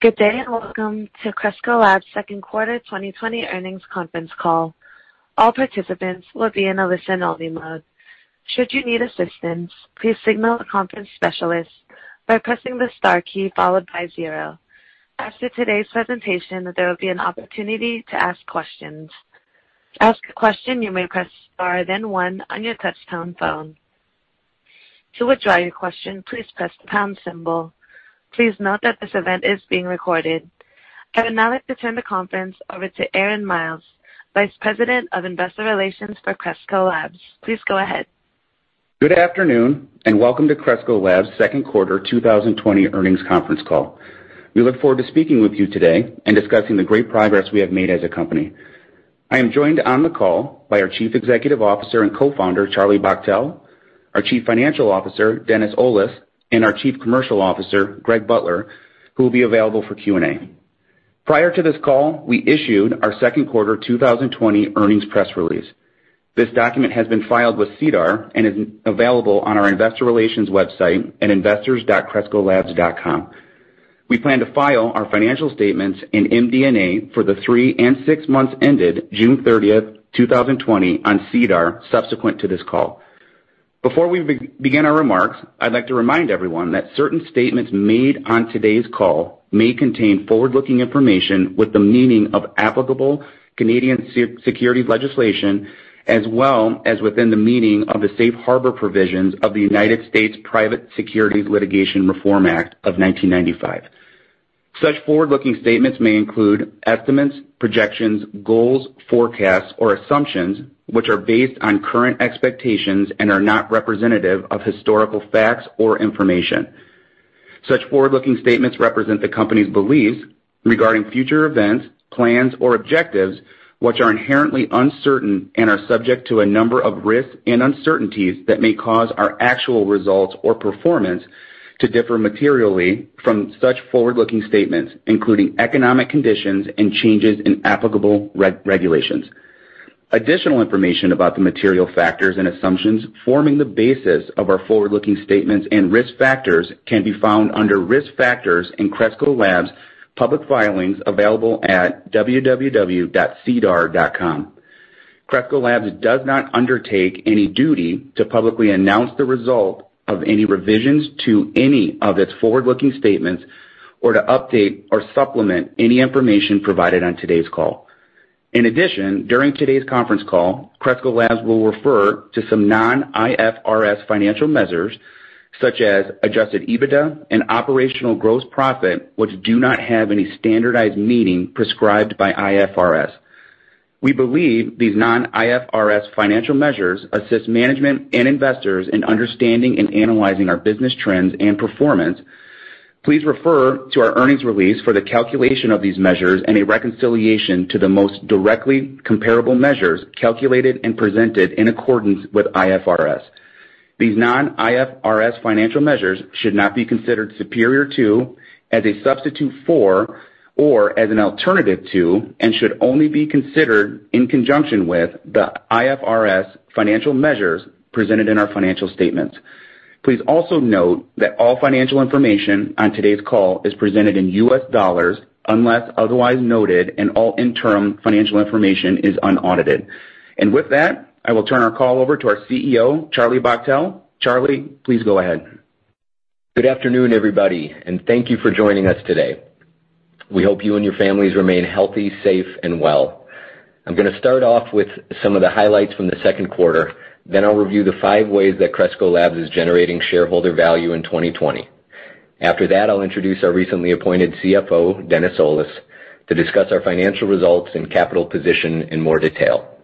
Good day, and welcome to Cresco Labs' Second Quarter 2020 Earnings Conference Call. All participants will be in a listen-only mode. Should you need assistance, please signal a conference specialist by pressing the star key followed by zero. After today's presentation, there will be an opportunity to ask questions. To ask a question, you may press star, then one on your touchtone phone. To withdraw your question, please press the pound symbol. Please note that this event is being recorded. I would now like to turn the conference over to Aaron Miles, Vice President of Investor Relations for Cresco Labs. Please go ahead. Good afternoon, and welcome to Cresco Labs' second quarter 2020 earnings conference call. We look forward to speaking with you today and discussing the great progress we have made as a company. I am joined on the call by our Chief Executive Officer and Co-founder, Charlie Bachtell, our Chief Financial Officer, Dennis Olis, and our Chief Commercial Officer, Greg Butler, who will be available for Q&A. Prior to this call, we issued our second quarter 2020 earnings press release. This document has been filed with SEDAR and is available on our investor relations website at investors.crescolabs.com. We plan to file our financial statements and MD&A for the three and six months ended June thirtieth, two thousand and twenty on SEDAR, subsequent to this call. Before we begin our remarks, I'd like to remind everyone that certain statements made on today's call may contain forward-looking information with the meaning of applicable Canadian securities legislation, as well as within the meaning of the safe harbor provisions of the United States Private Securities Litigation Reform Act of 1995. Such forward-looking statements may include estimates, projections, goals, forecasts, or assumptions, which are based on current expectations and are not representative of historical facts or information. Such forward-looking statements represent the company's beliefs regarding future events, plans, or objectives, which are inherently uncertain and are subject to a number of risks and uncertainties that may cause our actual results or performance to differ materially from such forward-looking statements, including economic conditions and changes in applicable regulations. Additional information about the material factors and assumptions forming the basis of our forward-looking statements and risk factors can be found under Risk Factors in Cresco Labs' public filings available at www.sedar.com. Cresco Labs does not undertake any duty to publicly announce the result of any revisions to any of its forward-looking statements or to update or supplement any information provided on today's call. In addition, during today's conference call, Cresco Labs will refer to some non-IFRS financial measures, such as adjusted EBITDA and operational gross profit, which do not have any standardized meaning prescribed by IFRS. We believe these non-IFRS financial measures assist management and investors in understanding and analyzing our business trends and performance. Please refer to our earnings release for the calculation of these measures and a reconciliation to the most directly comparable measures calculated and presented in accordance with IFRS. These non-IFRS financial measures should not be considered superior to, as a substitute for, or as an alternative to, and should only be considered in conjunction with the IFRS financial measures presented in our financial statements. Please also note that all financial information on today's call is presented in US dollars, unless otherwise noted, and all interim financial information is unaudited. And with that, I will turn our call over to our CEO, Charlie Bachtell. Charlie, please go ahead. Good afternoon, everybody, and thank you for joining us today. We hope you and your families remain healthy, safe, and well. I'm gonna start off with some of the highlights from the second quarter, then I'll review the five ways that Cresco Labs is generating shareholder value in 2020. After that, I'll introduce our recently appointed CFO, Dennis Olis, to discuss our financial results and capital position in more detail.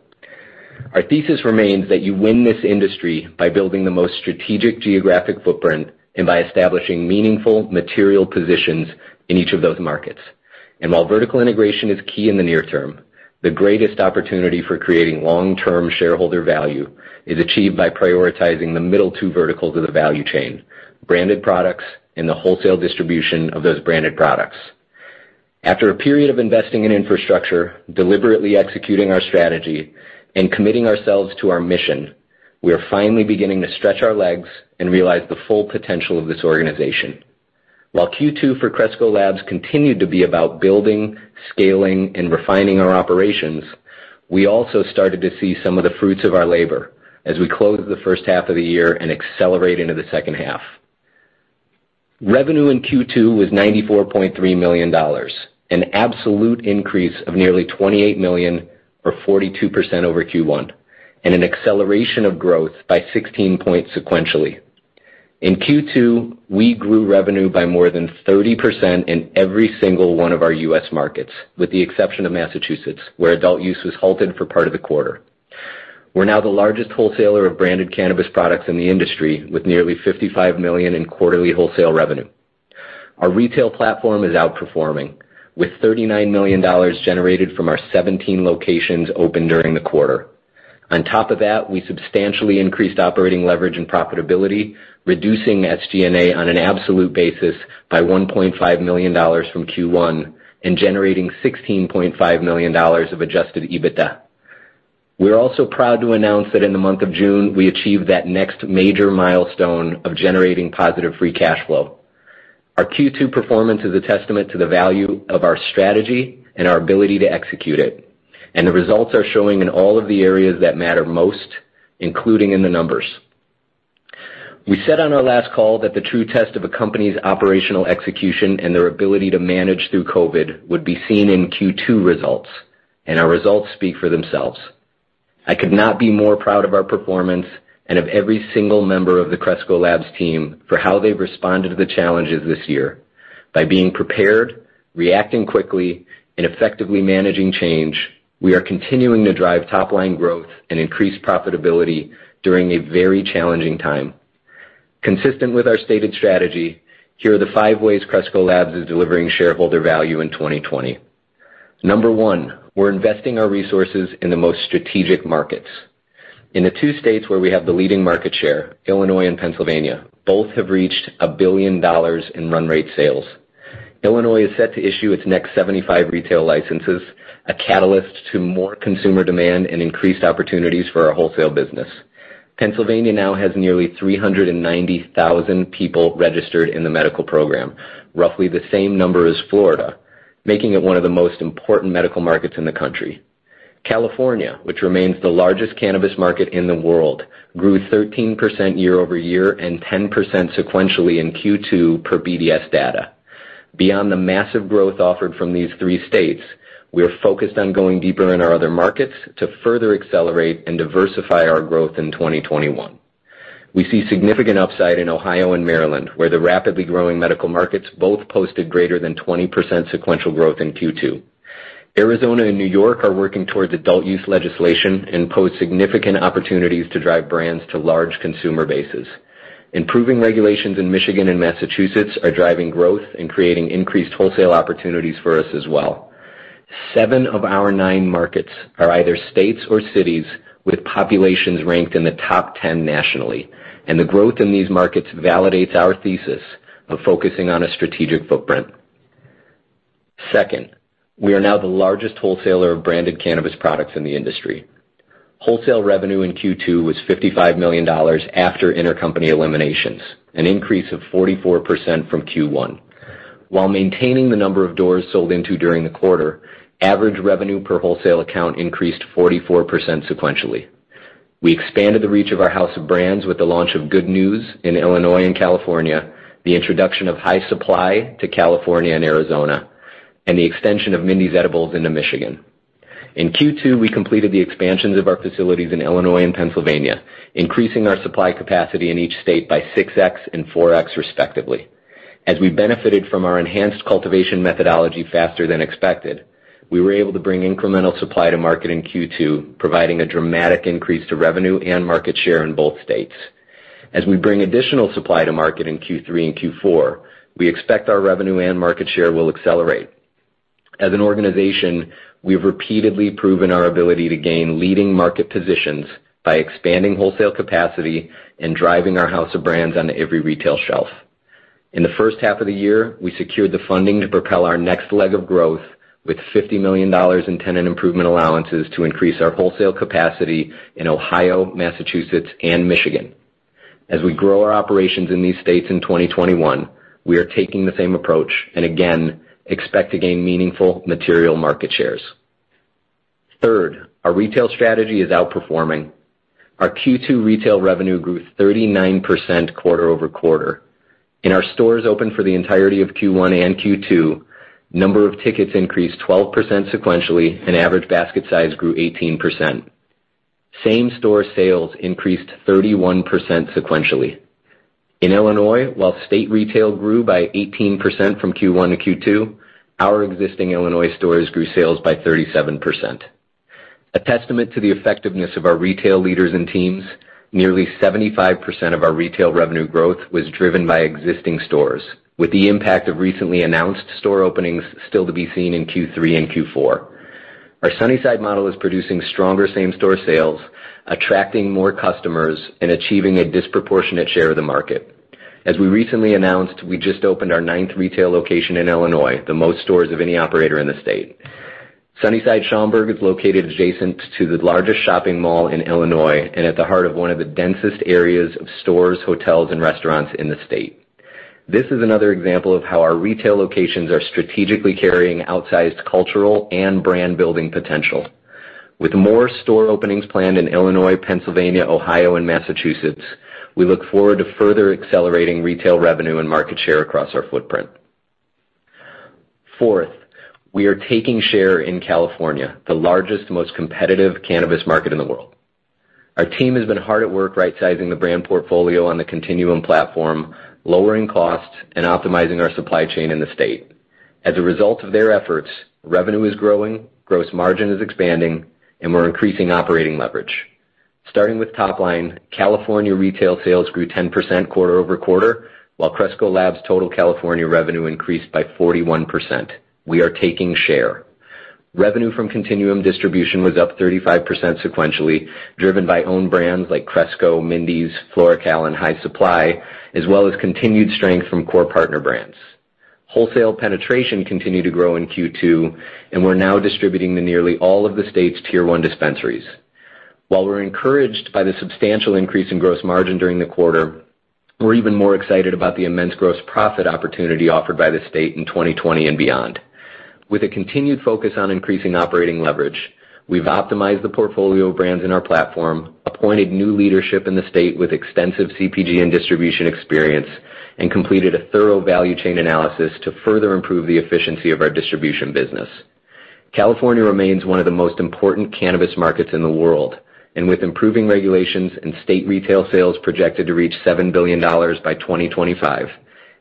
Our thesis remains that you win this industry by building the most strategic geographic footprint and by establishing meaningful material positions in each of those markets. And while vertical integration is key in the near term, the greatest opportunity for creating long-term shareholder value is achieved by prioritizing the middle two verticals of the value chain: branded products and the wholesale distribution of those branded products. After a period of investing in infrastructure, deliberately executing our strategy, and committing ourselves to our mission, we are finally beginning to stretch our legs and realize the full potential of this organization. While Q2 for Cresco Labs continued to be about building, scaling, and refining our operations, we also started to see some of the fruits of our labor as we close the first half of the year and accelerate into the second half. Revenue in Q2 was $94.3 million, an absolute increase of nearly $28 million, or 42% over Q1, and an acceleration of growth by 16 points sequentially. In Q2, we grew revenue by more than 30% in every single one of our U.S. markets, with the exception of Massachusetts, where adult use was halted for part of the quarter. We're now the largest wholesaler of branded cannabis products in the industry, with nearly $55 million in quarterly wholesale revenue. Our retail platform is outperforming, with $39 million generated from our 17 locations open during the quarter. On top of that, we substantially increased operating leverage and profitability, reducing SG&A on an absolute basis by $1.5 million from Q1 and generating $16.5 million of adjusted EBITDA. We're also proud to announce that in the month of June, we achieved that next major milestone of generating positive free cash flow. Our Q2 performance is a testament to the value of our strategy and our ability to execute it, and the results are showing in all of the areas that matter most, including in the numbers. We said on our last call that the true test of a company's operational execution and their ability to manage through COVID would be seen in Q2 results, and our results speak for themselves. I could not be more proud of our performance and of every single member of the Cresco Labs team for how they've responded to the challenges this year. By being prepared, reacting quickly, and effectively managing change, we are continuing to drive top-line growth and increase profitability during a very challenging time. Consistent with our stated strategy, here are the five ways Cresco Labs is delivering shareholder value in twenty twenty. Number one, we're investing our resources in the most strategic markets. In the two states where we have the leading market share, Illinois and Pennsylvania, both have reached $1 billion in run rate sales. Illinois is set to issue its next 75 retail licenses, a catalyst to more consumer demand and increased opportunities for our wholesale business. Pennsylvania now has nearly 390,000 people registered in the medical program, roughly the same number as Florida, making it one of the most important medical markets in the country. California, which remains the largest cannabis market in the world, grew 13% year-over-year and 10% sequentially in Q2 per BDS data. Beyond the massive growth offered from these three states, we are focused on going deeper in our other markets to further accelerate and diversify our growth in 2021. We see significant upside in Ohio and Maryland, where the rapidly growing medical markets both posted greater than 20% sequential growth in Q2. Arizona and New York are working towards adult-use legislation and pose significant opportunities to drive brands to large consumer bases. Improving regulations in Michigan and Massachusetts are driving growth and creating increased wholesale opportunities for us as well. Seven of our nine markets are either states or cities with populations ranked in the top 10 nationally, and the growth in these markets validates our thesis of focusing on a strategic footprint. Second, we are now the largest wholesaler of branded cannabis products in the industry. Wholesale revenue in Q2 was $55 million after intercompany eliminations, an increase of 44% from Q1. While maintaining the number of doors sold into during the quarter, average revenue per wholesale account increased 44% sequentially. We expanded the reach of our house of brands with the launch of Good News in Illinois and California, the introduction of High Supply to California and Arizona, and the extension of Mindy's Edibles into Michigan. In Q2, we completed the expansions of our facilities in Illinois and Pennsylvania, increasing our supply capacity in each state by 6x and 4x, respectively. As we benefited from our enhanced cultivation methodology faster than expected, we were able to bring incremental supply to market in Q2, providing a dramatic increase to revenue and market share in both states. As we bring additional supply to market in Q3 and Q4, we expect our revenue and market share will accelerate. As an organization, we've repeatedly proven our ability to gain leading market positions by expanding wholesale capacity and driving our house of brands on to every retail shelf. In the first half of the year, we secured the funding to propel our next leg of growth with $50 million in tenant improvement allowances to increase our wholesale capacity in Ohio, Massachusetts, and Michigan. As we grow our operations in these states in 2021, we are taking the same approach and again, expect to gain meaningful material market shares. Third, our retail strategy is outperforming. Our Q2 retail revenue grew 39% quarter over quarter. In our stores open for the entirety of Q1 and Q2, number of tickets increased 12% sequentially, and average basket size grew 18%. Same-store sales increased 31% sequentially. In Illinois, while state retail grew by 18% from Q1 to Q2, our existing Illinois stores grew sales by 37%. A testament to the effectiveness of our retail leaders and teams, nearly 75% of our retail revenue growth was driven by existing stores, with the impact of recently announced store openings still to be seen in Q3 and Q4. Our Sunnyside model is producing stronger same-store sales, attracting more customers, and achieving a disproportionate share of the market. As we recently announced, we just opened our ninth retail location in Illinois, the most stores of any operator in the state. Sunnyside Schaumburg is located adjacent to the largest shopping mall in Illinois and at the heart of one of the densest areas of stores, hotels, and restaurants in the state. This is another example of how our retail locations are strategically carrying outsized cultural and brand-building potential. With more store openings planned in Illinois, Pennsylvania, Ohio, and Massachusetts, we look forward to further accelerating retail revenue and market share across our footprint. Fourth, we are taking share in California, the largest, most competitive cannabis market in the world. Our team has been hard at work rightsizing the brand portfolio on the Continuum platform, lowering costs, and optimizing our supply chain in the state. As a result of their efforts, revenue is growing, gross margin is expanding, and we're increasing operating leverage. Starting with top line, California retail sales grew 10% quarter-over-quarter, while Cresco Labs' total California revenue increased by 41%. We are taking share. Revenue from Continuum Distribution was up 35% sequentially, driven by own brands like Cresco, Mindy's, FloraCal, and High Supply, as well as continued strength from core partner brands.... Wholesale penetration continued to grow in Q2, and we're now distributing to nearly all of the state's Tier one dispensaries. While we're encouraged by the substantial increase in gross margin during the quarter, we're even more excited about the immense gross profit opportunity offered by the state in twenty twenty and beyond. With a continued focus on increasing operating leverage, we've optimized the portfolio of brands in our platform, appointed new leadership in the state with extensive CPG and distribution experience, and completed a thorough value chain analysis to further improve the efficiency of our distribution business. California remains one of the most important cannabis markets in the world, and with improving regulations and state retail sales projected to reach $7 billion by 2025,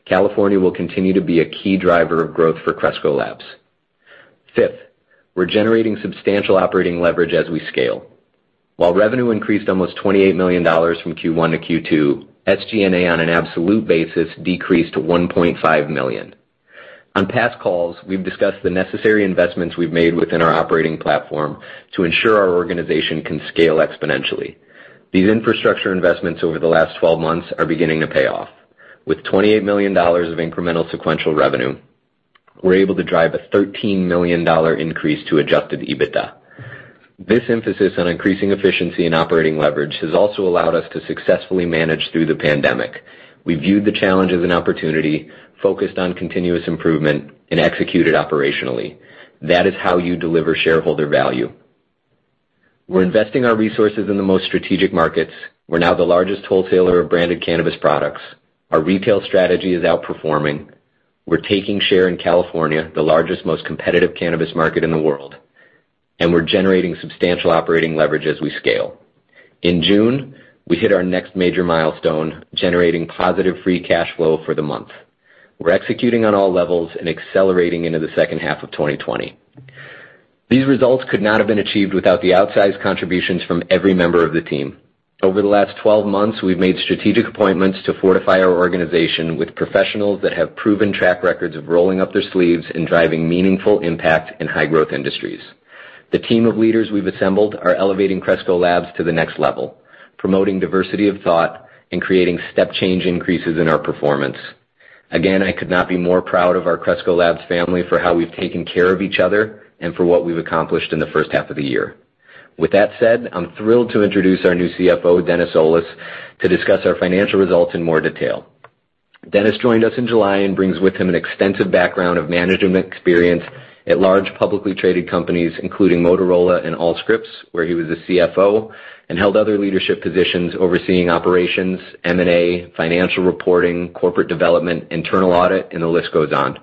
California will continue to be a key driver of growth for Cresco Labs. Fifth, we're generating substantial operating leverage as we scale. While revenue increased almost $28 million from Q1 to Q2, SG&A, on an absolute basis, decreased to $1.5 million. On past calls, we've discussed the necessary investments we've made within our operating platform to ensure our organization can scale exponentially. These infrastructure investments over the last 12 months are beginning to pay off. With $28 million of incremental sequential revenue, we're able to drive a $13 million increase to adjusted EBITDA. This emphasis on increasing efficiency and operating leverage has also allowed us to successfully manage through the pandemic. We viewed the challenge as an opportunity, focused on continuous improvement, and executed operationally. That is how you deliver shareholder value. We're investing our resources in the most strategic markets. We're now the largest wholesaler of branded cannabis products. Our retail strategy is outperforming. We're taking share in California, the largest, most competitive cannabis market in the world, and we're generating substantial operating leverage as we scale. In June, we hit our next major milestone, generating positive free cash flow for the month. We're executing on all levels and accelerating into the second half of 2020. These results could not have been achieved without the outsized contributions from every member of the team. Over the last twelve months, we've made strategic appointments to fortify our organization with professionals that have proven track records of rolling up their sleeves and driving meaningful impact in high-growth industries. The team of leaders we've assembled are elevating Cresco Labs to the next level, promoting diversity of thought and creating step change increases in our performance. Again, I could not be more proud of our Cresco Labs family for how we've taken care of each other and for what we've accomplished in the first half of the year. With that said, I'm thrilled to introduce our new CFO, Dennis Olis, to discuss our financial results in more detail. Dennis joined us in July and brings with him an extensive background of management experience at large, publicly traded companies, including Motorola and Allscripts, where he was the CFO and held other leadership positions, overseeing operations, M&A, financial reporting, corporate development, internal audit, and the list goes on.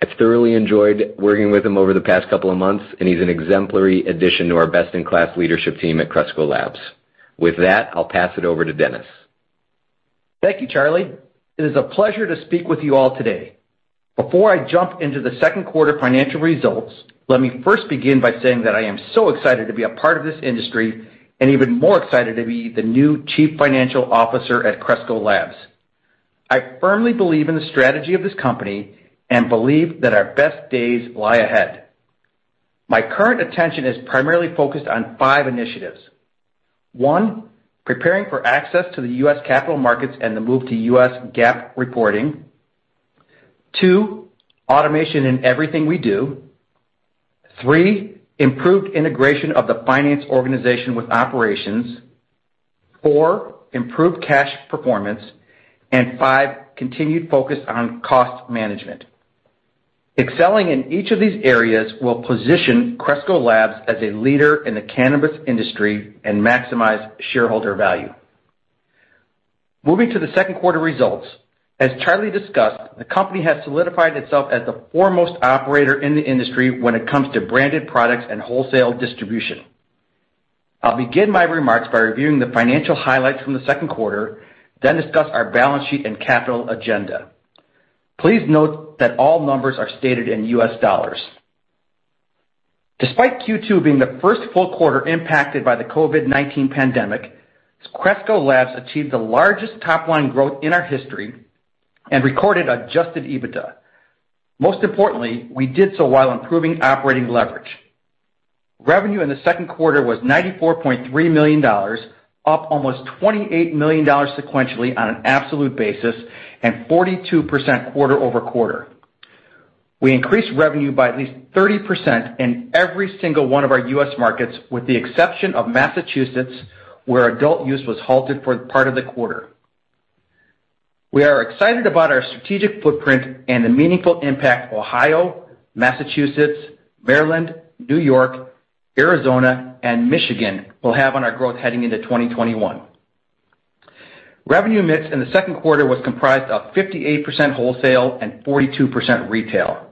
I've thoroughly enjoyed working with him over the past couple of months, and he's an exemplary addition to our best-in-class leadership team at Cresco Labs. With that, I'll pass it over to Dennis. Thank you, Charlie. It is a pleasure to speak with you all today. Before I jump into the second quarter financial results, let me first begin by saying that I am so excited to be a part of this industry and even more excited to be the new Chief Financial Officer at Cresco Labs. I firmly believe in the strategy of this company and believe that our best days lie ahead. My current attention is primarily focused on five initiatives. One, preparing for access to the U.S. capital markets and the move to U.S. GAAP reporting. Two, automation in everything we do. Three, improved integration of the finance organization with operations. Four, improved cash performance, and five, continued focus on cost management. Excelling in each of these areas will position Cresco Labs as a leader in the cannabis industry and maximize shareholder value. Moving to the second quarter results, as Charlie discussed, the company has solidified itself as the foremost operator in the industry when it comes to branded products and wholesale distribution. I'll begin my remarks by reviewing the financial highlights from the second quarter, then discuss our balance sheet and capital agenda. Please note that all numbers are stated in U.S. dollars. Despite Q2 being the first full quarter impacted by the COVID-19 pandemic, Cresco Labs achieved the largest top-line growth in our history and recorded Adjusted EBITDA. Most importantly, we did so while improving operating leverage. Revenue in the second quarter was $94.3 million, up almost $28 million sequentially on an absolute basis and 42% quarter-over-quarter. We increased revenue by at least 30% in every single one of our U.S. markets, with the exception of Massachusetts, where adult use was halted for part of the quarter. We are excited about our strategic footprint and the meaningful impact Ohio, Massachusetts, Maryland, New York, Arizona, and Michigan will have on our growth heading into 2021. Revenue mix in the second quarter was comprised of 58% wholesale and 42% retail.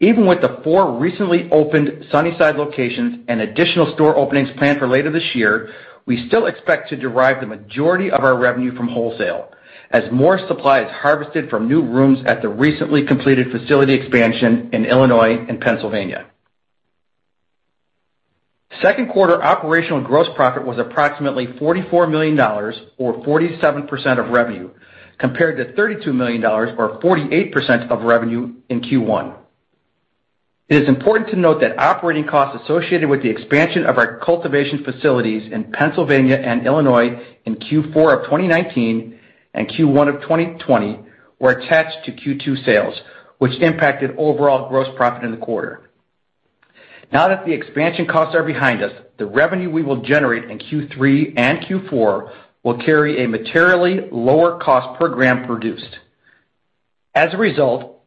Even with the four recently opened Sunnyside locations and additional store openings planned for later this year, we still expect to derive the majority of our revenue from wholesale as more supply is harvested from new rooms at the recently completed facility expansion in Illinois and Pennsylvania. Second quarter operational gross profit was approximately $44 million or 47% of revenue, compared to $32 million or 48% of revenue in Q1. It is important to note that operating costs associated with the expansion of our cultivation facilities in Pennsylvania and Illinois in Q4 of 2019 and Q1 of 2020 were attached to Q2 sales, which impacted overall gross profit in the quarter. Now that the expansion costs are behind us, the revenue we will generate in Q3 and Q4 will carry a materially lower cost per gram produced. As a result,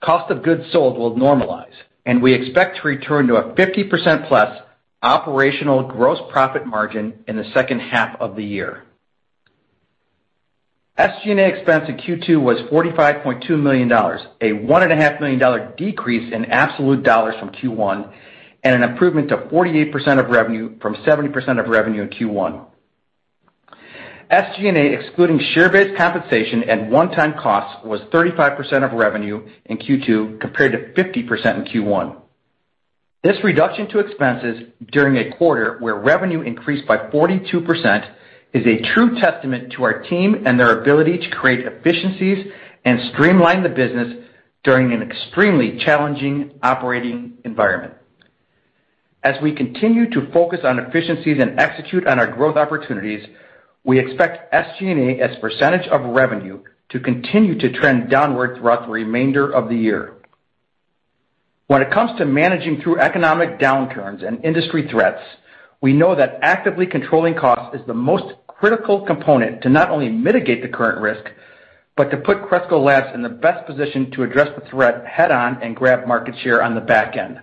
cost of goods sold will normalize, and we expect to return to a 50% plus operational gross profit margin in the second half of the year. SG&A expense in Q2 was $45.2 million, a $1.5 million dollar decrease in absolute dollars from Q1, and an improvement to 48% of revenue from 70% of revenue in Q1. SG&A, excluding share-based compensation and one-time costs, was 35% of revenue in Q2, compared to 50% in Q1. This reduction to expenses during a quarter where revenue increased by 42% is a true testament to our team and their ability to create efficiencies and streamline the business during an extremely challenging operating environment. As we continue to focus on efficiencies and execute on our growth opportunities, we expect SG&A as a percentage of revenue to continue to trend downward throughout the remainder of the year. When it comes to managing through economic downturns and industry threats, we know that actively controlling costs is the most critical component to not only mitigate the current risk, but to put Cresco Labs in the best position to address the threat head-on and grab market share on the back end.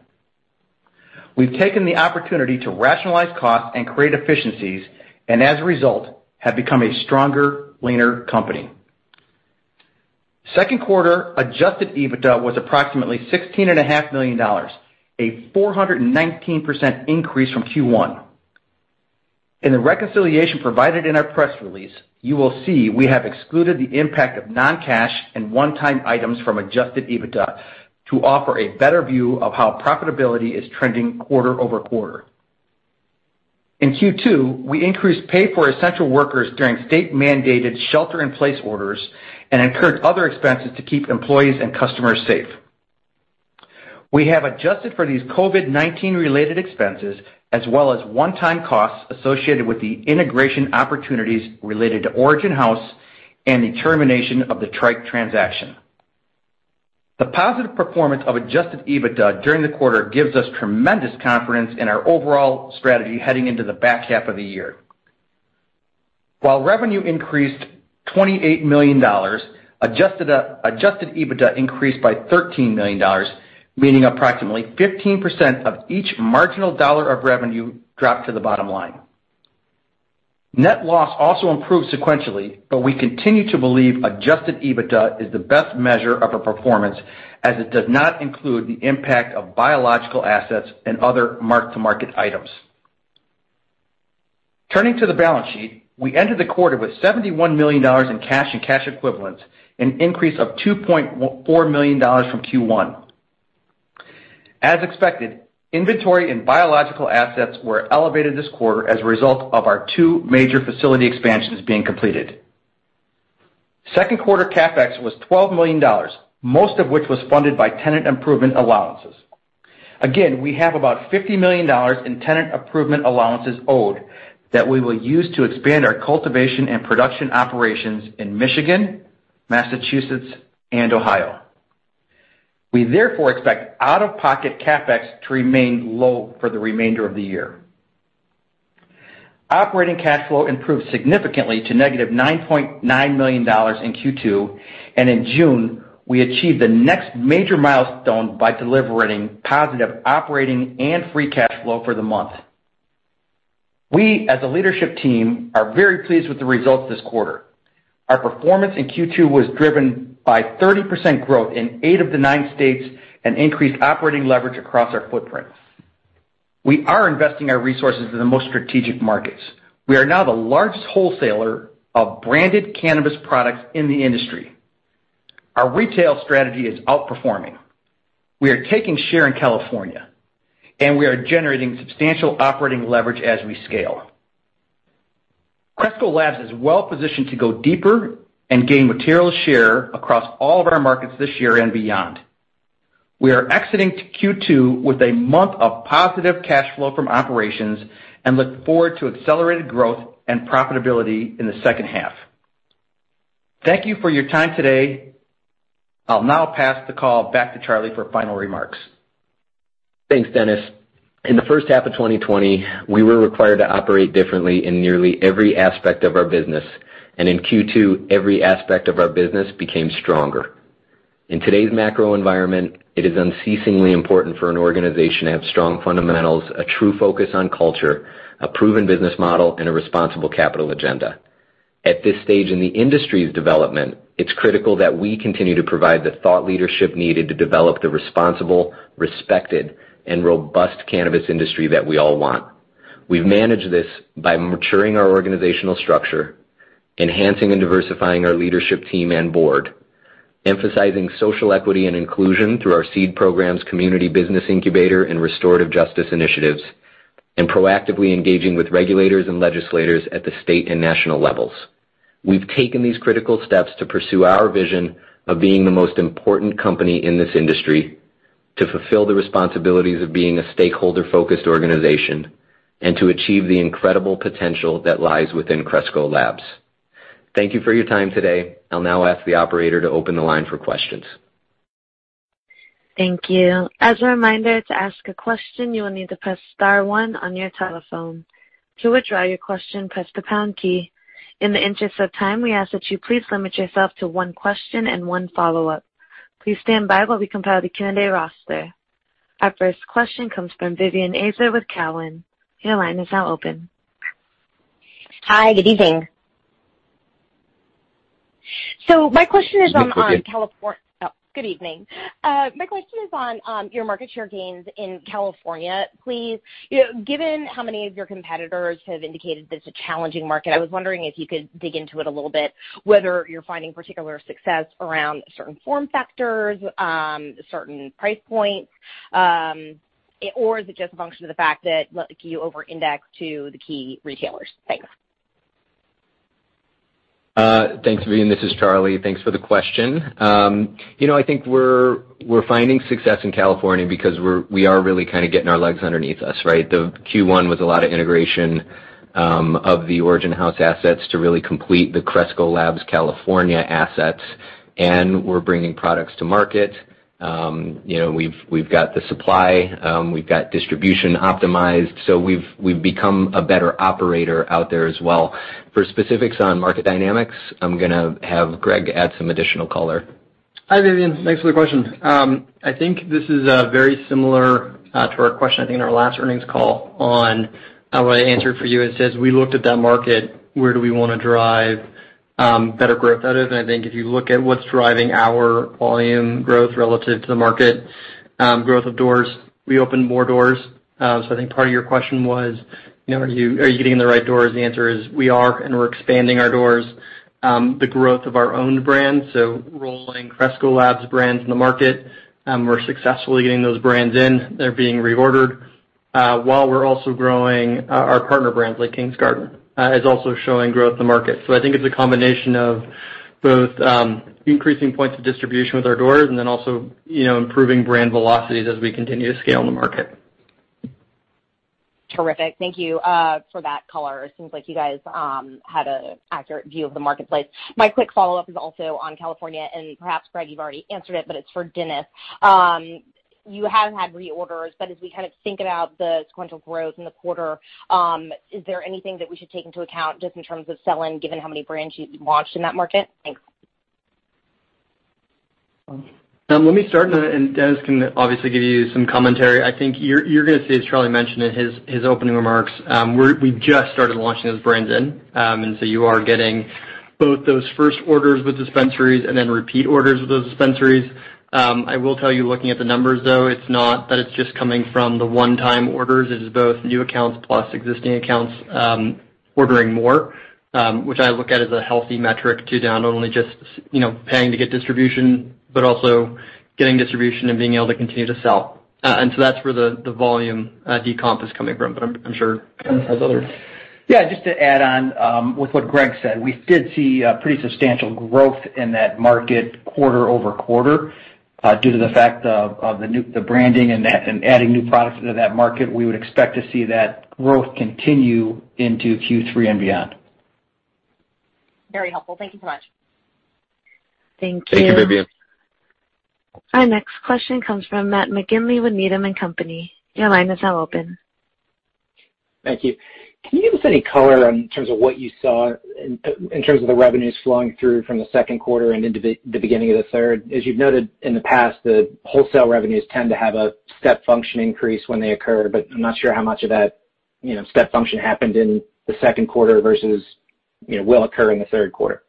We've taken the opportunity to rationalize costs and create efficiencies, and as a result, have become a stronger, leaner company. Second quarter Adjusted EBITDA was approximately $16.5 million, a 419% increase from Q1. In the reconciliation provided in our press release, you will see we have excluded the impact of non-cash and one-time items from Adjusted EBITDA to offer a better view of how profitability is trending quarter-over-quarter. In Q2, we increased pay for essential workers during state-mandated shelter-in-place orders and incurred other expenses to keep employees and customers safe. We have adjusted for these COVID-19-related expenses, as well as one-time costs associated with the integration opportunities related to Origin House and the termination of the Tryke transaction. The positive performance of Adjusted EBITDA during the quarter gives us tremendous confidence in our overall strategy heading into the back half of the year. While revenue increased $28 million, Adjusted EBITDA increased by $13 million, meaning approximately 15% of each marginal dollar of revenue dropped to the bottom line. Net loss also improved sequentially, but we continue to believe Adjusted EBITDA is the best measure of our performance, as it does not include the impact of biological assets and other mark-to-market items. Turning to the balance sheet, we entered the quarter with $71 million in cash and cash equivalents, an increase of $2.4 million from Q1. As expected, inventory and biological assets were elevated this quarter as a result of our two major facility expansions being completed. Second quarter CapEx was $12 million, most of which was funded by tenant improvement allowances. Again, we have about $50 million in tenant improvement allowances owed that we will use to expand our cultivation and production operations in Michigan, Massachusetts, and Ohio. We therefore expect out-of-pocket CapEx to remain low for the remainder of the year. Operating cash flow improved significantly to -$9.9 million in Q2, and in June, we achieved the next major milestone by delivering positive operating and free cash flow for the month. We, as a leadership team, are very pleased with the results this quarter. Our performance in Q2 was driven by 30% growth in eight of the nine states and increased operating leverage across our footprint. We are investing our resources in the most strategic markets. We are now the largest wholesaler of branded cannabis products in the industry. Our retail strategy is outperforming. We are taking share in California, and we are generating substantial operating leverage as we scale. Cresco Labs is well-positioned to go deeper and gain material share across all of our markets this year and beyond. We are exiting Q2 with a month of positive cash flow from operations and look forward to accelerated growth and profitability in the second half. Thank you for your time today. I'll now pass the call back to Charlie for final remarks. Thanks, Dennis. In the first half of 2020, we were required to operate differently in nearly every aspect of our business, and in Q2, every aspect of our business became stronger. In today's macro environment, it is unceasingly important for an organization to have strong fundamentals, a true focus on culture, a proven business model, and a responsible capital agenda. At this stage in the industry's development, it's critical that we continue to provide the thought leadership needed to develop the responsible, respected, and robust cannabis industry that we all want. We've managed this by maturing our organizational structure, enhancing and diversifying our leadership team and board, emphasizing social equity and inclusion through our SEED programs, community business incubator, and restorative justice initiatives, and proactively engaging with regulators and legislators at the state and national levels. We've taken these critical steps to pursue our vision of being the most important company in this industry, to fulfill the responsibilities of being a stakeholder-focused organization, and to achieve the incredible potential that lies within Cresco Labs. Thank you for your time today. I'll now ask the operator to open the line for questions. Thank you. As a reminder, to ask a question, you will need to press star one on your telephone. To withdraw your question, press the pound key. In the interest of time, we ask that you please limit yourself to one question and one follow-up. Please stand by while we compile the Q&A roster. Our first question comes from Vivian Azer with Cowen. Your line is now open. Hi, good evening. My question is on your market share gains in California, please. You know, given how many of your competitors have indicated that it's a challenging market, I was wondering if you could dig into it a little bit, whether you're finding particular success around certain form factors, certain price points, or is it just a function of the fact that you over-index to the key retailers? Thanks. Thanks, Vivian. This is Charlie. Thanks for the question. You know, I think we're finding success in California because we are really kind of getting our legs underneath us, right? The Q1 was a lot of integration of the Origin House assets to really complete the Cresco Labs California assets, and we're bringing products to market. You know, we've got the supply, we've got distribution optimized, so we've become a better operator out there as well. For specifics on market dynamics, I'm gonna have Greg add some additional color. Hi, Vivian. Thanks for the question. I think this is very similar to our question, I think, in our last earnings call on how I answered for you. It says, we looked at that market, where do we wanna drive better growth out of? And I think if you look at what's driving our volume growth relative to the market, growth of doors, we opened more doors. So I think part of your question was, you know, are you getting in the right doors? The answer is we are, and we're expanding our doors. The growth of our own brands, so rolling Cresco Labs brands in the market, we're successfully getting those brands in. They're being reordered while we're also growing our partner brands, like Kings Garden, is also showing growth in the market. So I think it's a combination of both, increasing points of distribution with our doors and then also, you know, improving brand velocities as we continue to scale in the market. Terrific. Thank you for that color. It seems like you guys had an accurate view of the marketplace. My quick follow-up is also on California, and perhaps, Greg, you've already answered it, but it's for Dennis. You have had reorders, but as we kind of think about the sequential growth in the quarter, is there anything that we should take into account just in terms of selling, given how many brands you've launched in that market? Thanks. Let me start, and Dennis can obviously give you some commentary. I think you're gonna see, as Charlie mentioned in his opening remarks, we've just started launching those brands in, and so you are getting both those first orders with dispensaries and then repeat orders with those dispensaries. I will tell you, looking at the numbers, though, it's not that it's just coming from the one-time orders. It's both new accounts plus existing accounts ordering more, which I look at as a healthy metric to down, not only just, you know, paying to get distribution, but also getting distribution and being able to continue to sell, and so that's where the volume decomp is coming from, but I'm sure Dennis has other- Yeah, just to add on, with what Greg said, we did see pretty substantial growth in that market quarter over quarter, due to the fact of the new branding and that, and adding new products into that market. We would expect to see that growth continue into Q3 and beyond. Very helpful. Thank you so much. Thank you. Thank you, Vivian. Our next question comes from Matt McGinley with Needham & Company. Your line is now open. Thank you. Can you give us any color in terms of what you saw in terms of the revenues flowing through from the second quarter and into the beginning of the third? As you've noted in the past, the wholesale revenues tend to have a step function increase when they occur, but I'm not sure how much of that, you know, step function happened in the second quarter versus, you know, will occur in the third quarter.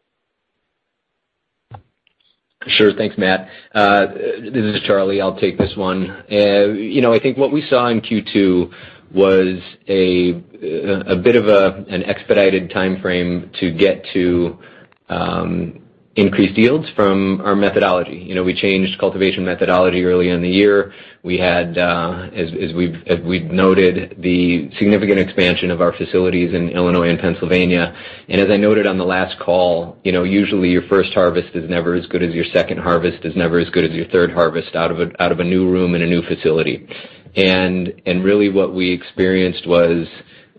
Sure. Thanks, Matt. This is Charlie. I'll take this one. You know, I think what we saw in Q2 was a bit of an expedited timeframe to get to increased yields from our methodology. You know, we changed cultivation methodology early in the year. We had, as we've noted, the significant expansion of our facilities in Illinois and Pennsylvania. And as I noted on the last call, you know, usually, your first harvest is never as good as your second harvest, is never as good as your third harvest out of a new room in a new facility. And really, what we experienced was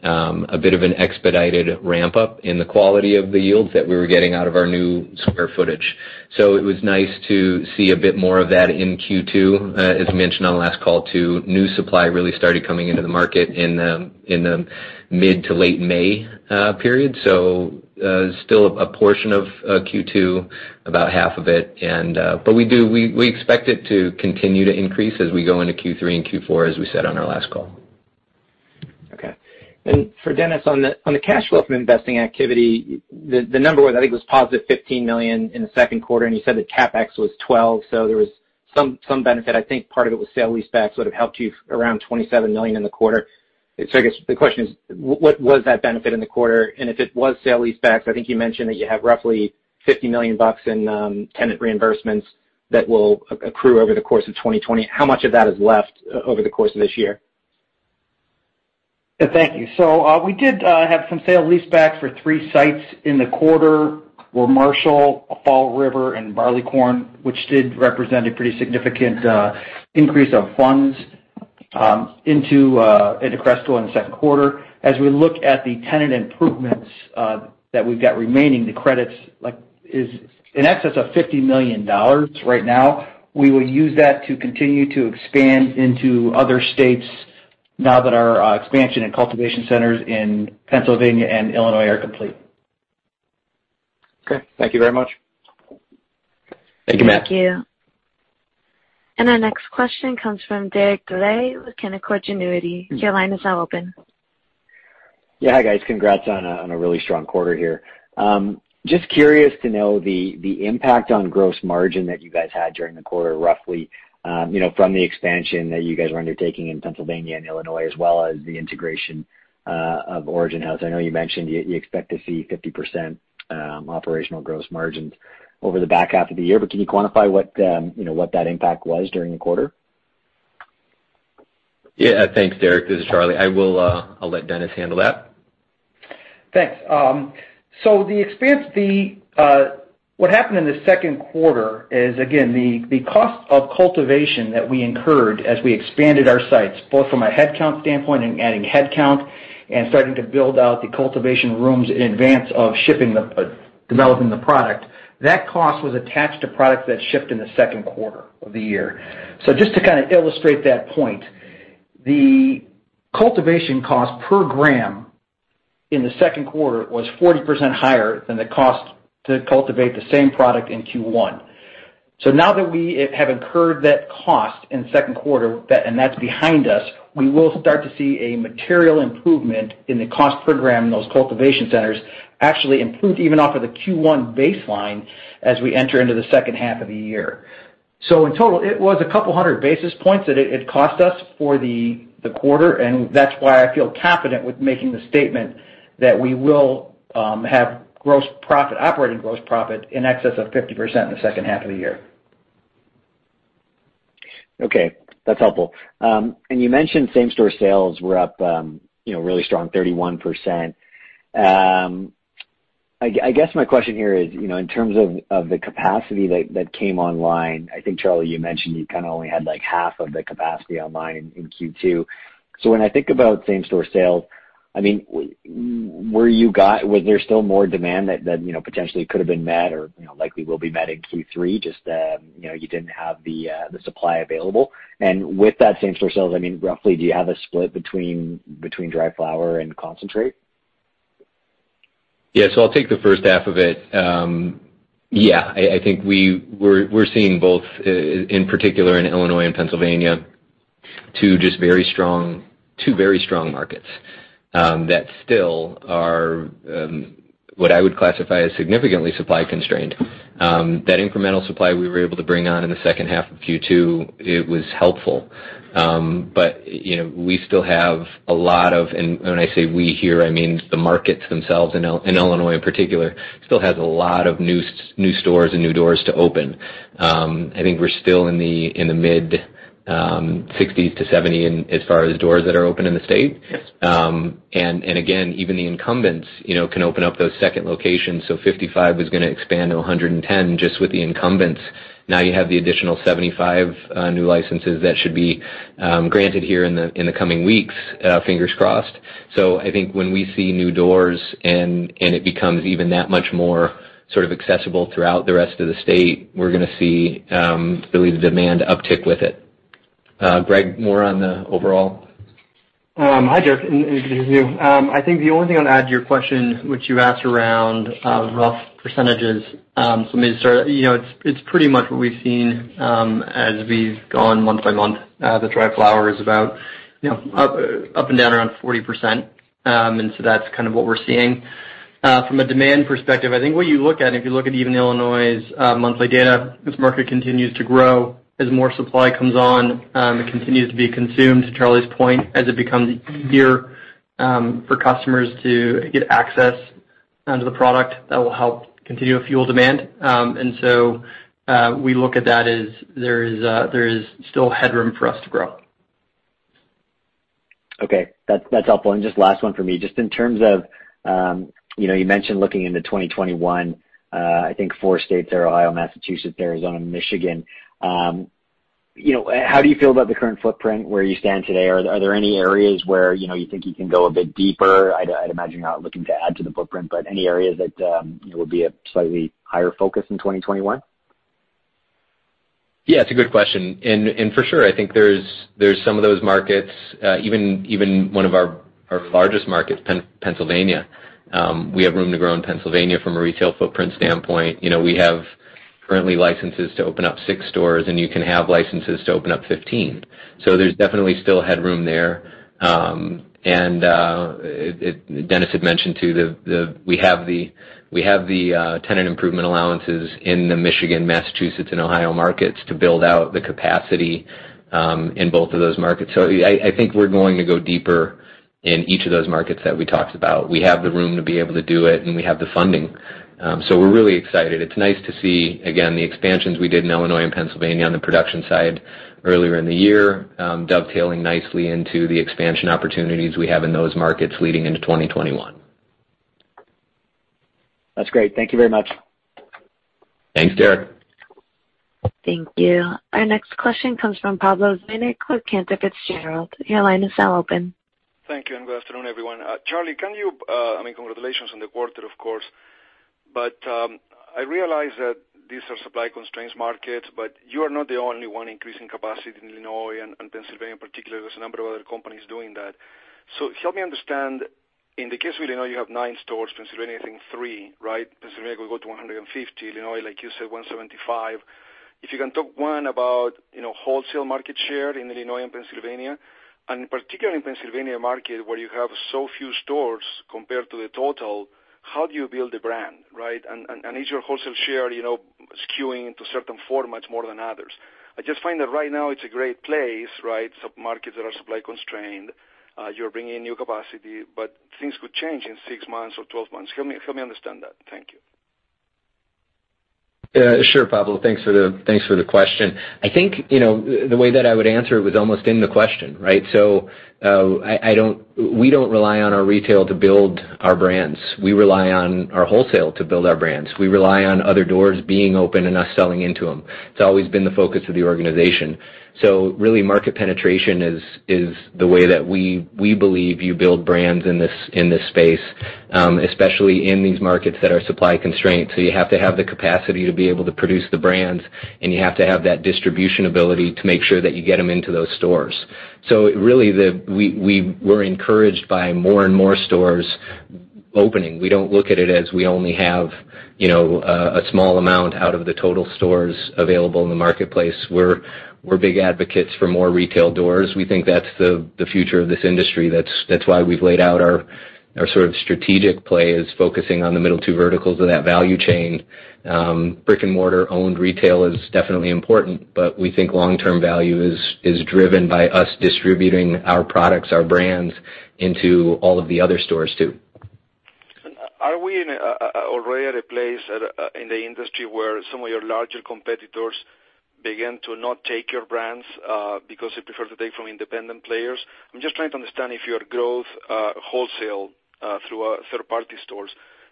a bit of an expedited ramp-up in the quality of the yields that we were getting out of our new square footage. So it was nice to see a bit more of that in Q2. As I mentioned on the last call, too, new supply really started coming into the market in the mid to late May period. So still a portion of Q2, about half of it. But we do expect it to continue to increase as we go into Q3 and Q4, as we said on our last call. Okay. And for Dennis, on the cash flow from investing activity, the number was, I think, positive $15 million in the second quarter, and you said the CapEx was $12 million, so there was some benefit. I think part of it was sale-leasebacks would have helped you around $27 million in the quarter. So I guess the question is: What was that benefit in the quarter? And if it was sale-leasebacks, I think you mentioned that you have roughly $50 million in tenant reimbursements.... that will accrue over the course of 2020, how much of that is left over the course of this year? Thank you. So, we did have some sale-leaseback for three sites in the quarter, which were Marshall, Fall River, and Barleycorn, which did represent a pretty significant increase of funds into Cresco in the second quarter. As we look at the tenant improvements that we've got remaining, the credits like is in excess of $50 million right now. We will use that to continue to expand into other states now that our expansion and cultivation centers in Pennsylvania and Illinois are complete. Okay. Thank you very much. Thank you, Matt. Thank you. And our next question comes from Derek Dley with Canaccord Genuity. Your line is now open. Yeah, hi, guys. Congrats on a really strong quarter here. Just curious to know the impact on gross margin that you guys had during the quarter, roughly, you know, from the expansion that you guys were undertaking in Pennsylvania and Illinois, as well as the integration of Origin House. I know you mentioned you expect to see 50% operational gross margins over the back half of the year, but can you quantify what that impact was during the quarter? Yeah, thanks, Derek. This is Charlie. I will, I'll let Dennis handle that. Thanks. So what happened in the second quarter is, again, the cost of cultivation that we incurred as we expanded our sites, both from a headcount standpoint and adding headcount, and starting to build out the cultivation rooms in advance of shipping the developing the product, that cost was attached to products that shipped in the second quarter of the year. So just to kind of illustrate that point, the cultivation cost per gram in the second quarter was 40% higher than the cost to cultivate the same product in Q1. So now that we have incurred that cost in the second quarter, and that's behind us, we will start to see a material improvement in the cost per gram in those cultivation centers, actually improve even off of the Q1 baseline as we enter into the second half of the year. So in total, it was a couple hundred basis points that it cost us for the quarter, and that's why I feel confident with making the statement that we will have gross profit, operating gross profit in excess of 50% in the second half of the year. Okay, that's helpful. And you mentioned same-store sales were up, you know, really strong, 31%. I guess my question here is, you know, in terms of the capacity that came online. I think, Charlie, you mentioned you kind of only had like half of the capacity online in Q2. So when I think about same-store sales, I mean, was there still more demand that, you know, potentially could have been met or, you know, likely will be met in Q3, just, you know, you didn't have the supply available? And with that same-store sales, I mean, roughly, do you have a split between dry flower and concentrate? Yeah, so I'll take the first half of it. Yeah, I think we're seeing both, in particular in Illinois and Pennsylvania, two very strong markets, that still are what I would classify as significantly supply constrained. That incremental supply we were able to bring on in the second half of Q2, it was helpful. But, you know, we still have a lot of, and when I say we here, I mean the markets themselves in Illinois, in particular, still has a lot of new stores and new doors to open. I think we're still in the mid 60-70 in as far as doors that are open in the state. Yes. And again, even the incumbents, you know, can open up those second locations. So 55 is gonna expand to 110 just with the incumbents. Now you have the additional 75, new licenses that should be granted here in the coming weeks, fingers crossed. So I think when we see new doors and it becomes even that much more sort of accessible throughout the rest of the state, we're gonna see really the demand uptick with it. Greg, more on the overall? Hi, Derek, and good to see you. I think the only thing I'll add to your question, which you asked around rough percentages, so let me start. You know, it's pretty much what we've seen as we've gone month by month. The dry flower is about, you know, up and down around 40%. And so that's kind of what we're seeing. From a demand perspective, I think what you look at, if you look at even Illinois monthly data, this market continues to grow. As more supply comes on, it continues to be consumed, to Charlie's point, as it becomes easier for customers to get access to the product, that will help continue to fuel demand. And so, we look at that as there is still headroom for us to grow. Okay. That's helpful. And just last one for me. Just in terms of, you know, you mentioned looking into twenty twenty-one. I think four states there, Ohio, Massachusetts, Arizona, and Michigan. You know, how do you feel about the current footprint where you stand today? Are there any areas where, you know, you think you can go a bit deeper? I'd imagine you're not looking to add to the footprint, but any areas that, you know, will be a slightly higher focus in twenty twenty-one? Yeah, it's a good question. And for sure, I think there's some of those markets, even one of our largest markets, Pennsylvania. We have room to grow in Pennsylvania from a retail footprint standpoint. You know, we have currently licenses to open up six stores, and you can have licenses to open up fifteen. So there's definitely still headroom there. And Dennis had mentioned, too, the tenant improvement allowances in the Michigan, Massachusetts, and Ohio markets to build out the capacity in both of those markets. So I think we're going to go deeper in each of those markets that we talked about. We have the room to be able to do it, and we have the funding. So we're really excited. It's nice to see, again, the expansions we did in Illinois and Pennsylvania on the production side earlier in the year, dovetailing nicely into the expansion opportunities we have in those markets leading into 2021. That's great. Thank you very much. Thanks, Derek. Thank you. Our next question comes from Pablo Zuanic with Cantor Fitzgerald. Your line is now open. Thank you, and good afternoon, everyone. Charlie, can you... I mean, congratulations on the quarter, of course, but I realize that these are supply constraints markets, but you are not the only one increasing capacity in Illinois and Pennsylvania in particular. There's a number of other companies doing that. So help me understand, in the case of Illinois, you have nine stores, Pennsylvania, I think three, right? Pennsylvania could go to 150, Illinois, like you said, 175. If you can talk, one, about, you know, wholesale market share in Illinois and Pennsylvania, and particularly in Pennsylvania market, where you have so few stores compared to the total, how do you build a brand, right? And is your wholesale share, you know, skewing to certain formats more than others? I just find that right now it's a great place, right? Some markets that are supply constrained, you're bringing in new capacity, but things could change in six months or 12 months. Help me, help me understand that. Thank you. Yeah, sure, Pablo. Thanks for the question. I think, you know, the way that I would answer it was almost in the question, right? So, I don't. We don't rely on our retail to build our brands. We rely on our wholesale to build our brands. We rely on other doors being open and us selling into them. It's always been the focus of the organization. So really, market penetration is the way that we believe you build brands in this space, especially in these markets that are supply constrained. So you have to have the capacity to be able to produce the brands, and you have to have that distribution ability to make sure that you get them into those stores. So really, the... we're encouraged by more and more stores opening. We don't look at it as we only have, you know, a small amount out of the total stores available in the marketplace. We're big advocates for more retail doors. We think that's the future of this industry. That's why we've laid out our sort of strategic play, is focusing on the middle two verticals of that value chain. Brick-and-mortar owned retail is definitely important, but we think long-term value is driven by us distributing our products, our brands, into all of the other stores, too. Are we in already at a place at in the industry where some of your larger competitors begin to not take your brands because they prefer to take from independent players? I'm just trying to understand if your growth wholesale through third-party stores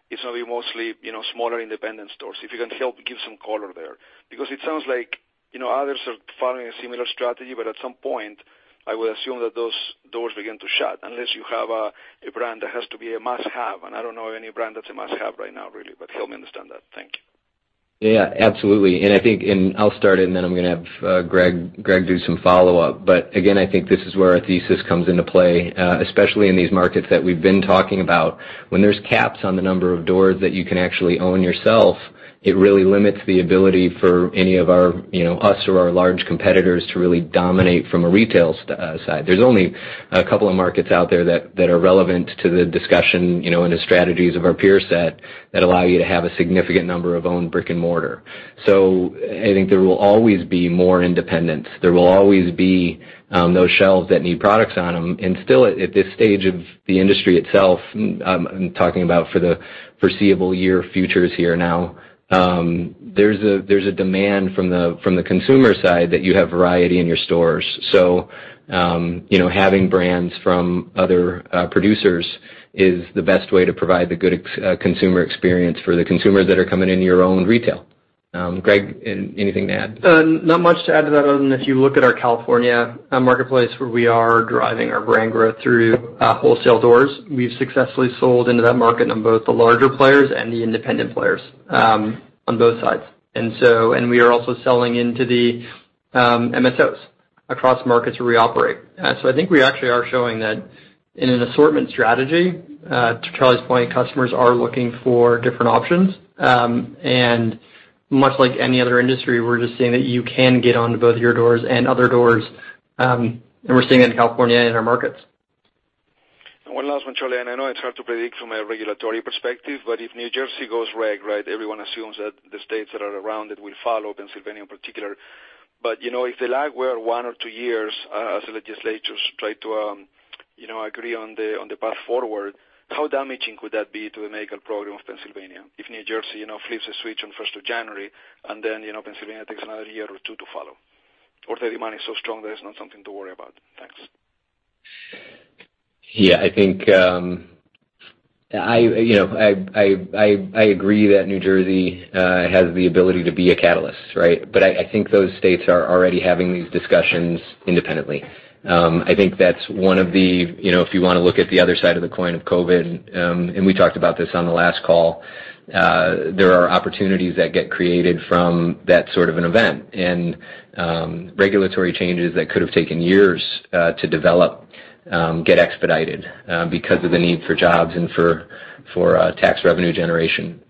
is going to be mostly, you know, smaller, independent stores. If you can help give some color there. Because it sounds like, you know, others are following a similar strategy, but at some point, I would assume that those doors begin to shut, unless you have a brand that has to be a must-have, and I don't know of any brand that's a must-have right now, really. But help me understand that. Thank you. Yeah, absolutely. And I think, and I'll start, and then I'm gonna have Greg do some follow-up. But again, I think this is where our thesis comes into play, especially in these markets that we've been talking about. When there's caps on the number of doors that you can actually own yourself, it really limits the ability for any of our, you know, us or our large competitors to really dominate from a retail side. There's only a couple of markets out there that are relevant to the discussion, you know, and the strategies of our peer set that allow you to have a significant number of own brick-and-mortar. So I think there will always be more independents. There will always be those shelves that need products on them. Still, at this stage of the industry itself, I'm talking about for the foreseeable year, futures here now, there's a demand from the consumer side that you have variety in your stores. So, you know, having brands from other producers is the best way to provide the good consumer experience for the consumers that are coming into your own retail. Greg, anything to add? Not much to add to that, other than if you look at our California marketplace, where we are driving our brand growth through wholesale doors, we've successfully sold into that market on both the larger players and the independent players on both sides. And we are also selling into the MSOs across markets where we operate. So I think we actually are showing that in an assortment strategy to Charlie's point, customers are looking for different options. And much like any other industry, we're just seeing that you can get onto both your doors and other doors, and we're seeing it in California and in our markets. One last one, Charlie, and I know it's hard to predict from a regulatory perspective, but if New Jersey goes reg, right, everyone assumes that the states that are around it will follow, Pennsylvania in particular. But, you know, if the lag were one or two years, as the legislatures try to, you know, agree on the path forward, how damaging would that be to the medical program of Pennsylvania? If New Jersey, you know, flips a switch on first of January, and then, you know, Pennsylvania takes another year or two to follow. Or the demand is so strong that it's not something to worry about. Thanks. Yeah, I think, you know, I agree that New Jersey has the ability to be a catalyst, right? But I think those states are already having these discussions independently. I think that's one of the... you know, if you want to look at the other side of the coin of COVID, and we talked about this on the last call, there are opportunities that get created from that sort of an event. And regulatory changes that could have taken years to develop get expedited because of the need for jobs and for tax revenue generation.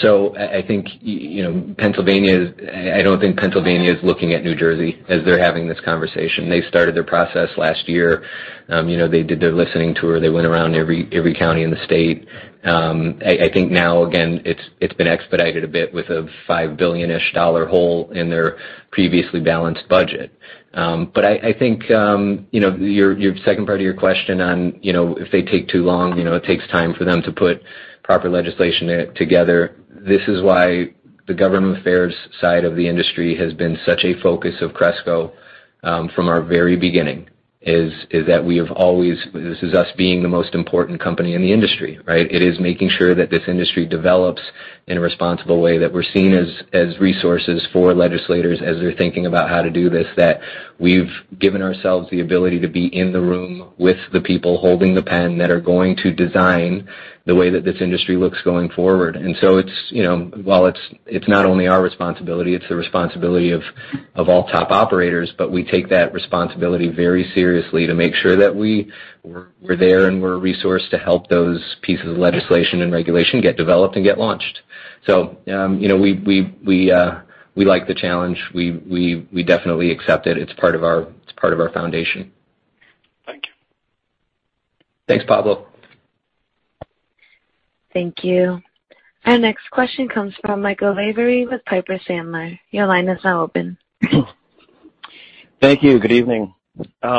So I think, you know, Pennsylvania, I don't think Pennsylvania is looking at New Jersey as they're having this conversation. They started their process last year. You know, they did their listening tour. They went around every county in the state. I think now, again, it's been expedited a bit with a $5 billion-ish dollar hole in their previously balanced budget. But I think, you know, your second part of your question on, you know, if they take too long, you know, it takes time for them to put proper legislation together. This is why the government affairs side of the industry has been such a focus of Cresco, from our very beginning, is that we have always, this is us being the most important company in the industry, right? It is making sure that this industry develops in a responsible way, that we're seen as resources for legislators as they're thinking about how to do this, that we've given ourselves the ability to be in the room with the people holding the pen that are going to design the way that this industry looks going forward. And so it's, you know, while it's not only our responsibility, it's the responsibility of all top operators, but we take that responsibility very seriously to make sure that we're there, and we're a resource to help those pieces of legislation and regulation get developed and get launched. So, you know, we like the challenge. We definitely accept it. It's part of our foundation. Thank you. Thanks, Pablo. Thank you. Our next question comes from Michael Lavery with Piper Sandler. Your line is now open. Thank you. Good evening.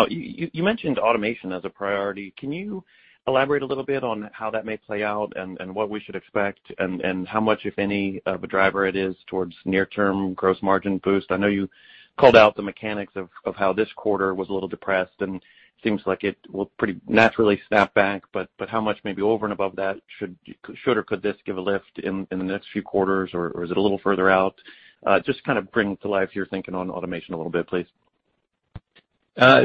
You mentioned automation as a priority. Can you elaborate a little bit on how that may play out and what we should expect, and how much, if any, of a driver it is towards near-term gross margin boost? I know you called out the mechanics of how this quarter was a little depressed, and it seems like it will pretty naturally snap back, but how much maybe over and above that should or could this give a lift in the next few quarters, or is it a little further out? Just kind of bring to life your thinking on automation a little bit, please.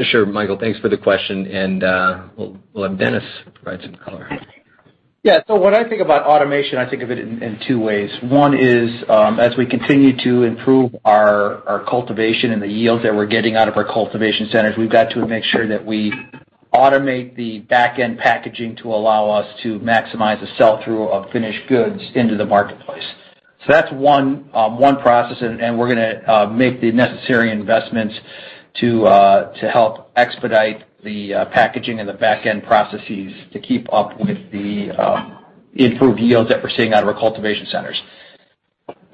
Sure, Michael. Thanks for the question, and we'll have Dennis provide some color. Yeah. So when I think about automation, I think of it in two ways. One is, as we continue to improve our cultivation and the yields that we're getting out of our cultivation centers, we've got to make sure that we automate the back-end packaging to allow us to maximize the sell-through of finished goods into the marketplace. So that's one process, and we're gonna make the necessary investments to help expedite the packaging and the back-end processes to keep up with the improved yields that we're seeing out of our cultivation centers.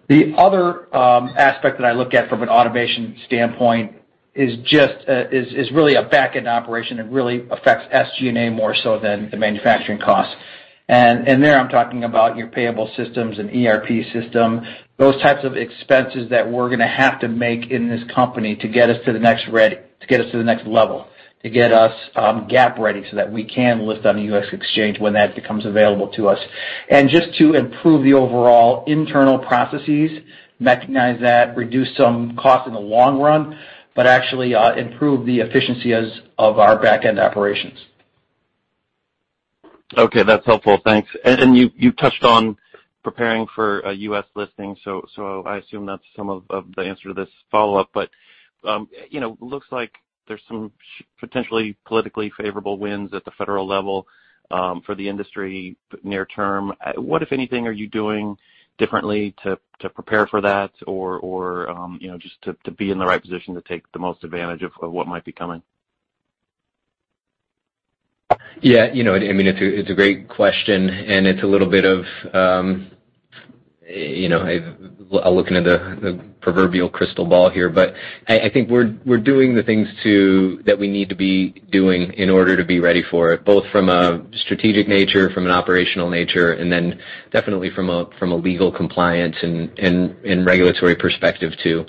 The other aspect that I look at from an automation standpoint is just really a back-end operation and really affects SG&A more so than the manufacturing cost. There, I'm talking about your payable systems and ERP system, those types of expenses that we're gonna have to make in this company to get us to the next level, to get us GAAP ready, so that we can list on the U.S. exchange when that becomes available to us. Just to improve the overall internal processes, recognize that, reduce some cost in the long run, but actually improve the efficiency of our back-end operations. Okay, that's helpful. Thanks. And you touched on preparing for a U.S. listing, so I assume that's some of the answer to this follow-up. But you know, looks like there's some potentially politically favorable winds at the federal level for the industry near term. What, if anything, are you doing differently to prepare for that or you know, just to be in the right position to take the most advantage of what might be coming? Yeah, you know, I mean, it's a great question, and it's a little bit of, you know, looking into the proverbial crystal ball here. But I think we're doing the things that we need to be doing in order to be ready for it, both from a strategic nature, from an operational nature, and then definitely from a legal compliance and regulatory perspective, too.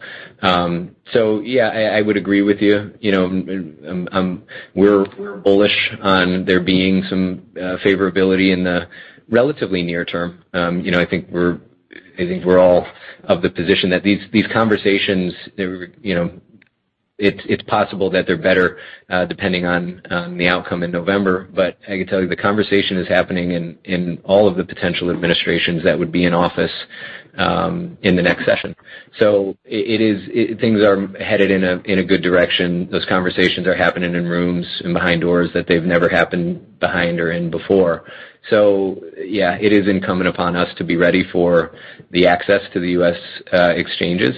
So yeah, I would agree with you. You know, we're bullish on there being some favorability in the relatively near term. You know, I think we're all of the position that these conversations, they were, you know, it's possible that they're better, depending on the outcome in November. But I can tell you, the conversation is happening in all of the potential administrations that would be in office in the next session. So it is. Things are headed in a good direction. Those conversations are happening in rooms and behind doors that they've never happened behind or in before. So yeah, it is incumbent upon us to be ready for the access to the U.S. exchanges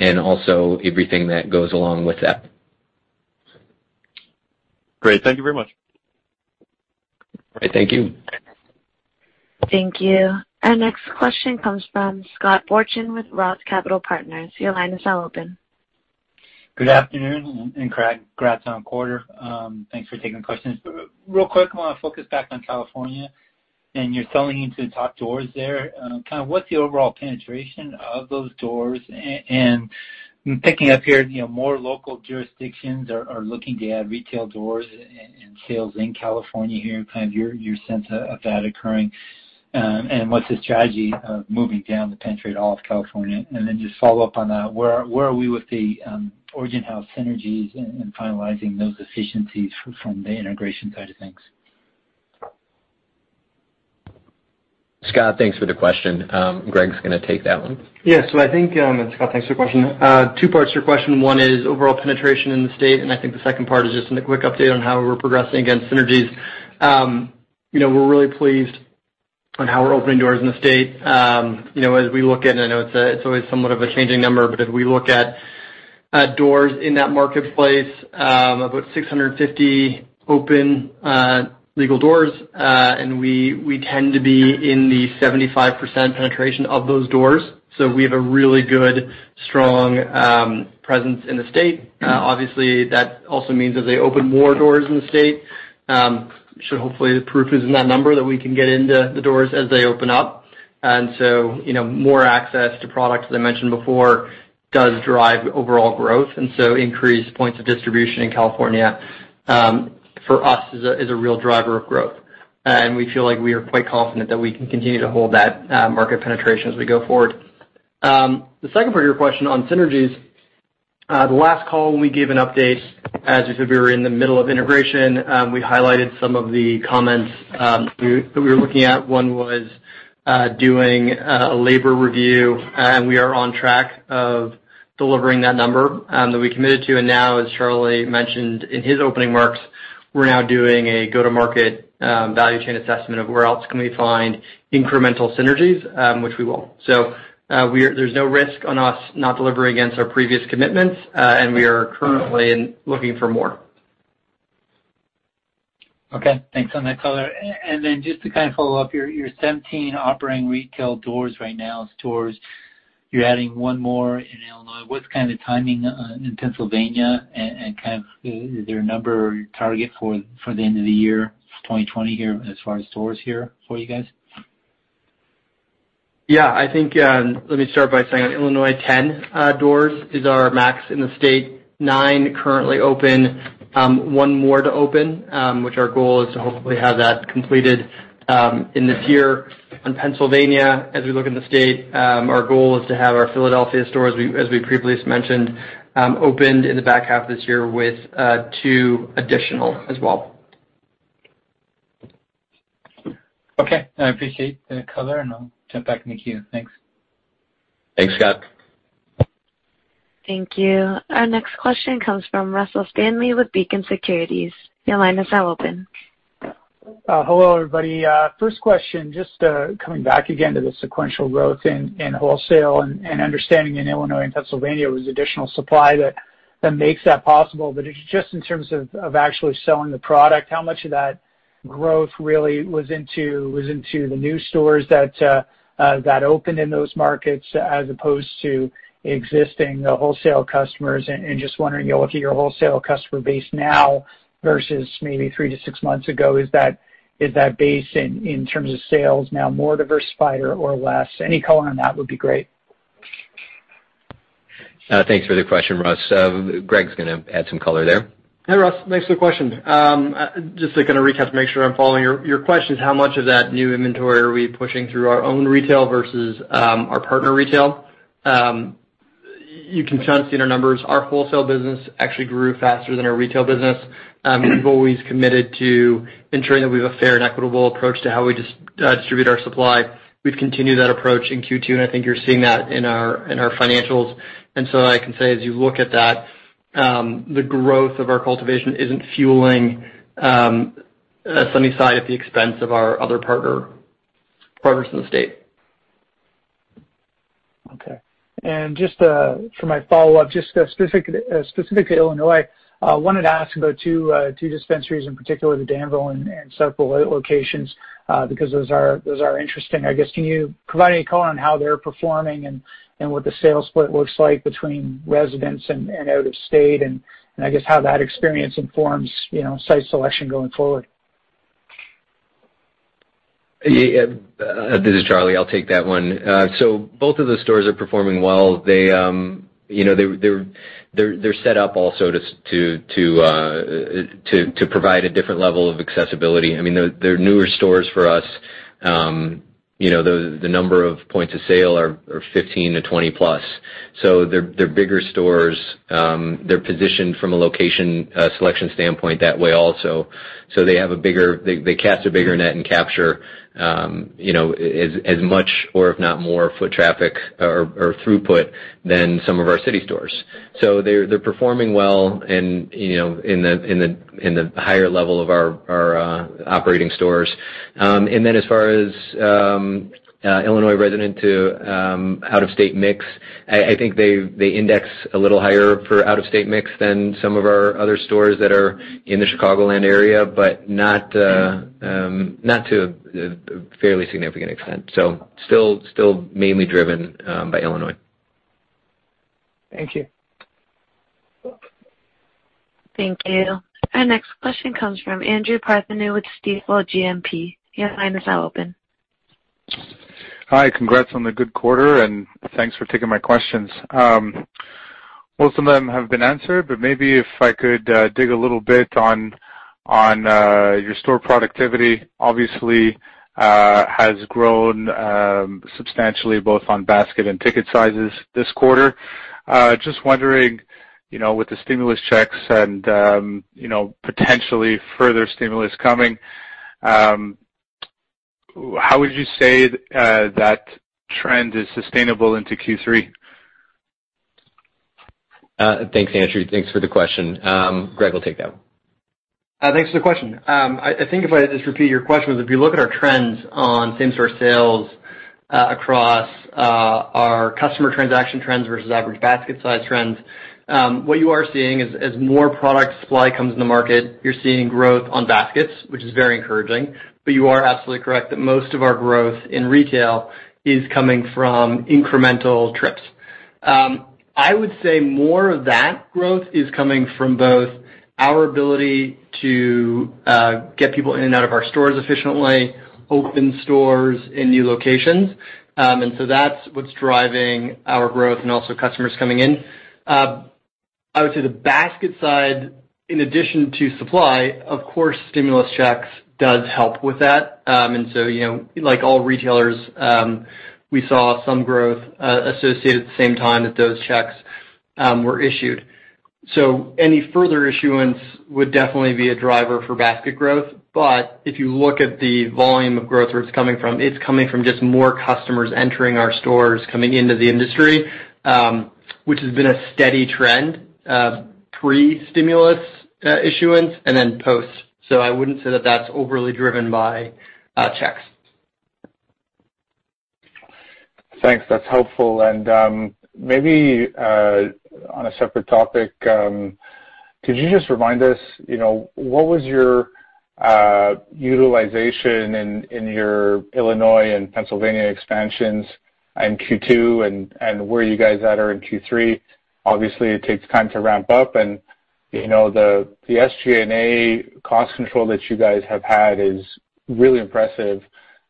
and also everything that goes along with that. Great. Thank you very much. All right, thank you. Thank you. Our next question comes from Scott Fortune with Roth Capital Partners. Your line is now open. Good afternoon, and congrats on the quarter. Thanks for taking the questions. Real quick, I wanna focus back on California, and you're selling into the top doors there. Kind of what's the overall penetration of those doors? And picking up here, you know, more local jurisdictions are looking to add retail doors and sales in California here. Kind of your sense of that occurring, and what's the strategy of moving down to penetrate all of California? And then just follow up on that, where are we with the Origin House synergies and finalizing those efficiencies from the integration side of things? Scott, thanks for the question. Greg's gonna take that one. Yes. So I think, Scott, thanks for the question. Two parts to your question. One is overall penetration in the state, and I think the second part is just in a quick update on how we're progressing against synergies. You know, we're really pleased on how we're opening doors in the state. You know, as we look at, and I know it's, it's always somewhat of a changing number, but as we look at, doors in that marketplace, about six hundred fifty open, legal doors, and we tend to be in the 75% penetration of those doors. So we have a really good, strong, presence in the state. Obviously, that also means that they open more doors in the state.... So hopefully the proof is in that number, that we can get into the doors as they open up. And so, you know, more access to products, as I mentioned before, does drive overall growth, and so increased points of distribution in California, for us, is a real driver of growth. And we feel like we are quite confident that we can continue to hold that market penetration as we go forward. The second part of your question on synergies. The last call, when we gave an update, as you said, we were in the middle of integration, we highlighted some of the comments that we were looking at. One was, doing a labor review, and we are on track of delivering that number, that we committed to. And now, as Charlie mentioned in his opening remarks, we're now doing a go-to-market value chain assessment of where else can we find incremental synergies, which we will. So, there's no risk on us not delivering against our previous commitments, and we are currently in looking for more. Okay. Thanks on that color. And then just to kind of follow up, your seventeen operating retail doors right now as stores, you're adding one more in Illinois. What's kind of the timing in Pennsylvania and kind of is there a number or target for the end of the year, twenty twenty here, as far as stores here for you guys? Yeah, I think, let me start by saying Illinois, 10 doors is our max in the state. Nine currently open, one more to open, which our goal is to hopefully have that completed in this year. On Pennsylvania, as we look in the state, our goal is to have our Philadelphia store, as we previously mentioned, opened in the back half of this year with two additional as well. Okay. I appreciate the color, and I'll jump back in the queue. Thanks. Thanks, Scott. Thank you. Our next question comes from Russell Stanley with Beacon Securities. Your line is now open. Hello, everybody. First question, just coming back again to the sequential growth in wholesale and understanding in Illinois and Pennsylvania was additional supply that makes that possible. But just in terms of actually selling the product, how much of that growth really was into the new stores that opened in those markets as opposed to existing wholesale customers? And just wondering, you look at your wholesale customer base now versus maybe three to six months ago, is that base in terms of sales now more diversified or less? Any color on that would be great. Thanks for the question, Russ. Greg's gonna add some color there. Hey, Russ, thanks for the question. Just to kind of recap to make sure I'm following. Your question is, how much of that new inventory are we pushing through our own retail versus our partner retail? You can trust in our numbers. Our wholesale business actually grew faster than our retail business. We've always committed to ensuring that we have a fair and equitable approach to how we distribute our supply. We've continued that approach in Q2, and I think you're seeing that in our financials. And so I can say, as you look at that, the growth of our cultivation isn't fueling a Sunnyside at the expense of our other partners in the state. Okay. And just, for my follow-up, just, specific to Illinois, wanted to ask about two dispensaries, in particular, the Danville and several other locations, because those are interesting. I guess, can you provide any color on how they're performing and what the sales split looks like between residents and out-of-state, and I guess how that experience informs, you know, site selection going forward? Yeah, this is Charlie. I'll take that one. So both of those stores are performing well. They, you know, they're set up also to provide a different level of accessibility. I mean, they're newer stores for us. You know, the number of points of sale are 15-20 plus. So they're bigger stores. They're positioned from a location selection standpoint that way also. So they cast a bigger net and capture, you know, as much or if not more, foot traffic or throughput than some of our city stores. So they're performing well and, you know, in the higher level of our operating stores. And then as far as Illinois resident to out-of-state mix, I think they index a little higher for out-of-state mix than some of our other stores that are in the Chicagoland area, but not to a fairly significant extent, so still mainly driven by Illinois. Thank you. Thank you. Our next question comes from Andrew Partheniou with Stifel GMP. Your line is now open. Hi, congrats on the good quarter, and thanks for taking my questions. Most of them have been answered, but maybe if I could dig a little bit on your store productivity. Obviously, has grown substantially both on basket and ticket sizes this quarter. Just wondering, you know, with the stimulus checks and, you know, potentially further stimulus coming, how would you say that trend is sustainable into Q3? Thanks, Andrew. Thanks for the question. Greg will take that one. Thanks for the question. I think if I just repeat your question, was if you look at our trends on same store sales, across our customer transaction trends versus average basket size trends, what you are seeing is, as more product supply comes in the market, you're seeing growth on baskets, which is very encouraging, but you are absolutely correct that most of our growth in retail is coming from incremental trips.... I would say more of that growth is coming from both our ability to get people in and out of our stores efficiently, open stores in new locations, and so that's what's driving our growth and also customers coming in. I would say the basket side, in addition to supply, of course, stimulus checks does help with that, and so, you know, like all retailers, we saw some growth associated at the same time that those checks were issued, so any further issuance would definitely be a driver for basket growth, but if you look at the volume of growth, where it's coming from, it's coming from just more customers entering our stores, coming into the industry, which has been a steady trend pre-stimulus issuance and then post. So I wouldn't say that that's overly driven by checks. Thanks. That's helpful. And, maybe, on a separate topic, could you just remind us, you know, what was your utilization in your Illinois and Pennsylvania expansions in Q2, and where you guys are at in Q3? Obviously, it takes time to ramp up, and, you know, the SG&A cost control that you guys have had is really impressive.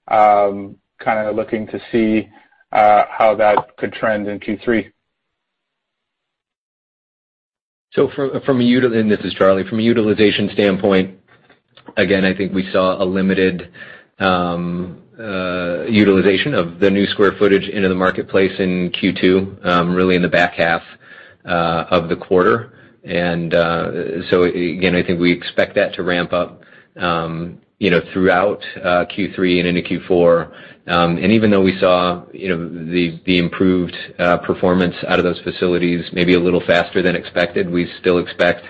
Kind of looking to see how that could trend in Q3. From a utilization standpoint, again, I think we saw a limited utilization of the new square footage into the marketplace in Q2, really in the back half of the quarter. And so again, I think we expect that to ramp up, you know, throughout Q3 and into Q4. And even though we saw, you know, the improved performance out of those facilities, maybe a little faster than expected, we still expect,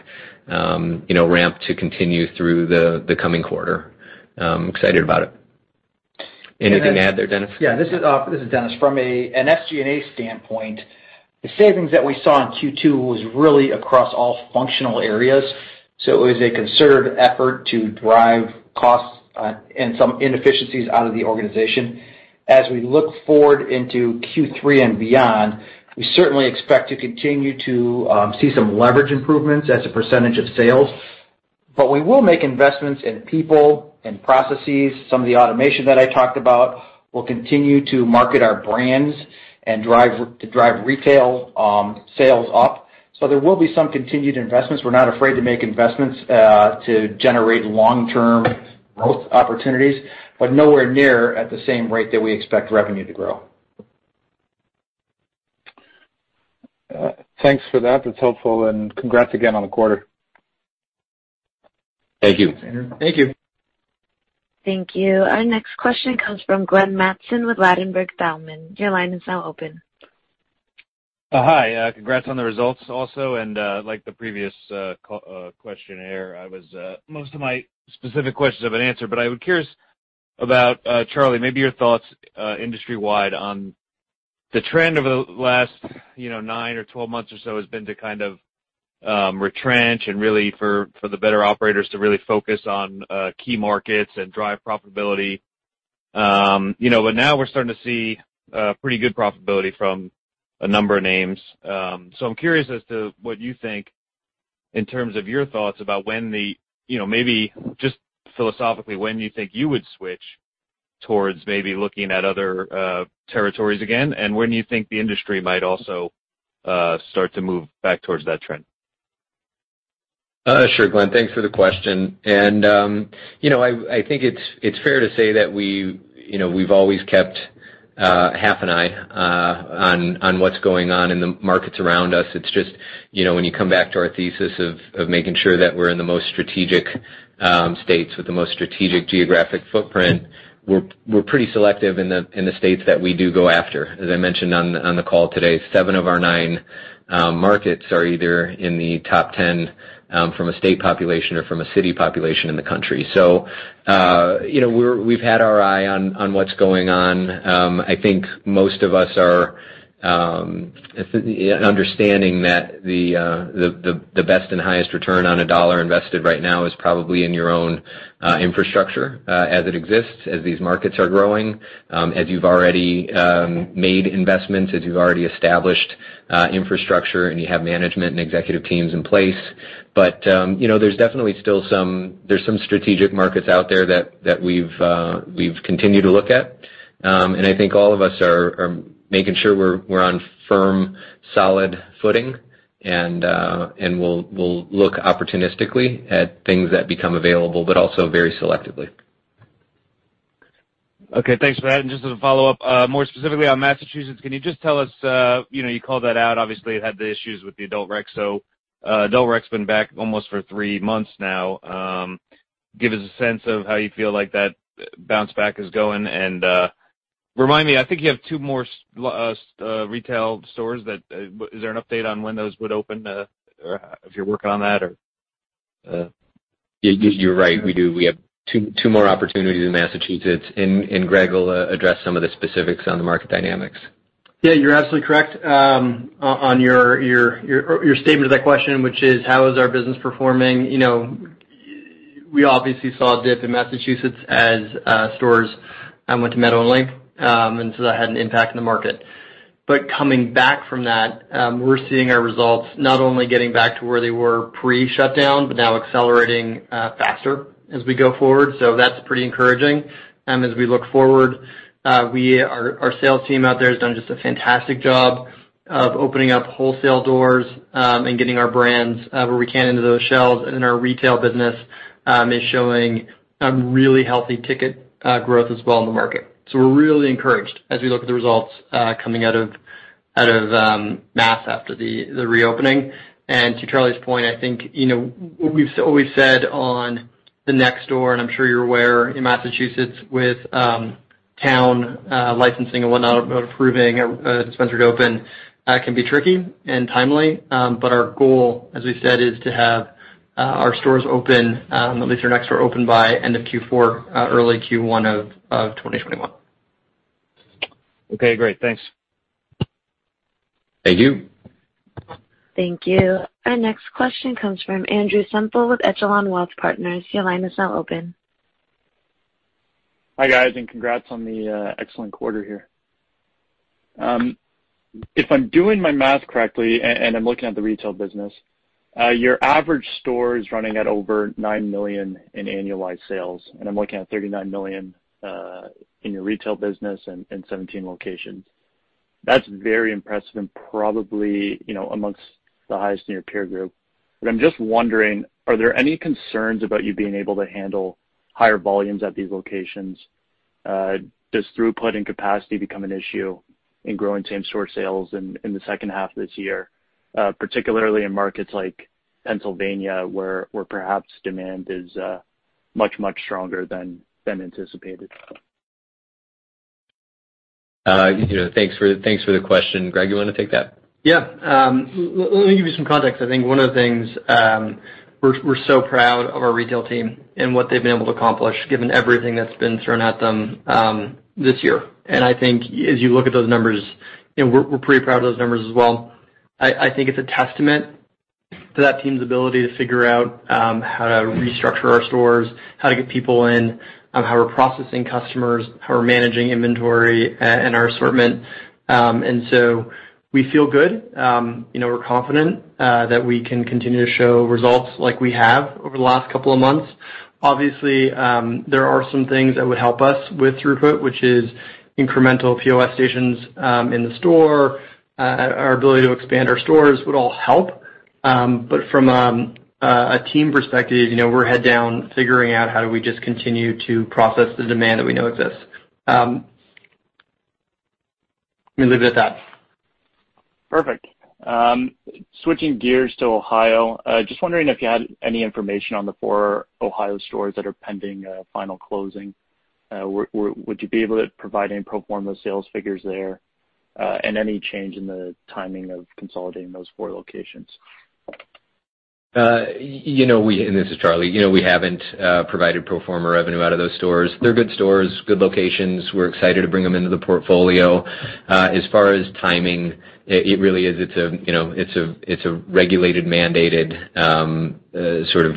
you know, ramp to continue through the coming quarter. I'm excited about it. Anything to add there, Dennis? Yeah, this is Dennis. From an SG&A standpoint, the savings that we saw in Q2 was really across all functional areas. So it was a concerted effort to drive costs and some inefficiencies out of the organization. As we look forward into Q3 and beyond, we certainly expect to continue to see some leverage improvements as a percentage of sales. But we will make investments in people and processes. Some of the automation that I talked about. We'll continue to market our brands and drive retail sales up, so there will be some continued investments. We're not afraid to make investments to generate long-term growth opportunities, but nowhere near at the same rate that we expect revenue to grow. Thanks for that. That's helpful, and congrats again on the quarter. Thank you. Thank you. Thank you. Our next question comes from Glenn Mattson with Ladenburg Thalmann. Your line is now open. Hi, congrats on the results also. And, like the previous call, most of my specific questions have been answered. But I was curious about, Charlie, maybe your thoughts, industry-wide on the trend over the last, you know, nine or 12 months or so has been to kind of, retrench and really for the better operators to really focus on, key markets and drive profitability. You know, but now we're starting to see, pretty good profitability from a number of names. So I'm curious as to what you think in terms of your thoughts about when the... You know, maybe just philosophically, when you think you would switch towards maybe looking at other, territories again, and when you think the industry might also, start to move back towards that trend. Sure, Glenn, thanks for the question. You know, I think it's fair to say that we, you know, we've always kept half an eye on what's going on in the markets around us. It's just, you know, when you come back to our thesis of making sure that we're in the most strategic states with the most strategic geographic footprint, we're pretty selective in the states that we do go after. As I mentioned on the call today, seven of our nine markets are either in the top 10 from a state population or from a city population in the country. You know, we've had our eye on what's going on. I think most of us are understanding that the best and highest return on a dollar invested right now is probably in your own infrastructure, as it exists, as these markets are growing, as you've already made investments, as you've already established infrastructure, and you have management and executive teams in place. You know, there's definitely still some strategic markets out there that we've continued to look at. I think all of us are making sure we're on firm, solid footing, and we'll look opportunistically at things that become available, but also very selectively. Okay, thanks for that. And just as a follow-up, more specifically on Massachusetts, can you just tell us, you know, you called that out. Obviously, it had the issues with the adult rec. So, adult rec's been back almost for three months now. Give us a sense of how you feel like that bounce back is going. And, remind me, I think you have two more, retail stores that... Is there an update on when those would open, or if you're working on that, or, You're right, we do. We have two more opportunities in Massachusetts, and Greg will address some of the specifics on the market dynamics. Yeah, you're absolutely correct, on your statement of that question, which is: How is our business performing? You know-... we, we obviously saw a dip in Massachusetts as stores went to Meadow Link, and so that had an impact in the market. But coming back from that, we're seeing our results, not only getting back to where they were pre-shutdown, but now accelerating faster as we go forward. So that's pretty encouraging. As we look forward, our sales team out there has done just a fantastic job of opening up wholesale doors, and getting our brands where we can into those shelves, and then our retail business is showing a really healthy ticket growth as well in the market. So we're really encouraged as we look at the results coming out of Mass after the reopening. And to Charlie's point, I think, you know, we've always said at Sunnyside, and I'm sure you're aware in Massachusetts with town licensing and whatnot, approving a dispensary to open can be tricky and timely. But our goal, as we've said, is to have our stores open, at least our Sunnyside open by end of Q4, early Q1 of 2021. Okay, great. Thanks. Thank you. Thank you. Our next question comes from Andrew Semple with Echelon Wealth Partners. Your line is now open. Hi, guys, and congrats on the excellent quarter here. If I'm doing my math correctly, and I'm looking at the retail business, your average store is running at over $9 million in annualized sales, and I'm looking at $39 million in your retail business and 17 locations. That's very impressive and probably, you know, amongst the highest in your peer group. But I'm just wondering, are there any concerns about you being able to handle higher volumes at these locations? Does throughput and capacity become an issue in growing same store sales in the second half of this year, particularly in markets like Pennsylvania, where perhaps demand is much stronger than anticipated? You know, thanks for the question. Greg, you want to take that? Yeah. Let me give you some context. I think one of the things, we're so proud of our retail team and what they've been able to accomplish, given everything that's been thrown at them, this year. I think as you look at those numbers, you know, we're pretty proud of those numbers as well. I think it's a testament to that team's ability to figure out how to restructure our stores, how to get people in, how we're processing customers, how we're managing inventory, and our assortment, and so we feel good. You know, we're confident that we can continue to show results like we have over the last couple of months. Obviously, there are some things that would help us with throughput, which is incremental POS stations in the store. Our ability to expand our stores would all help. But from a team perspective, you know, we're heads down, figuring out how do we just continue to process the demand that we know exists. Let me leave it at that. Perfect. Switching gears to Ohio, just wondering if you had any information on the four Ohio stores that are pending final closing. Would you be able to provide any pro forma sales figures there, and any change in the timing of consolidating those four locations? You know, this is Charlie. You know, we haven't provided pro forma revenue out of those stores. They're good stores, good locations. We're excited to bring them into the portfolio. As far as timing, it really is. It's a regulated, mandated, sort of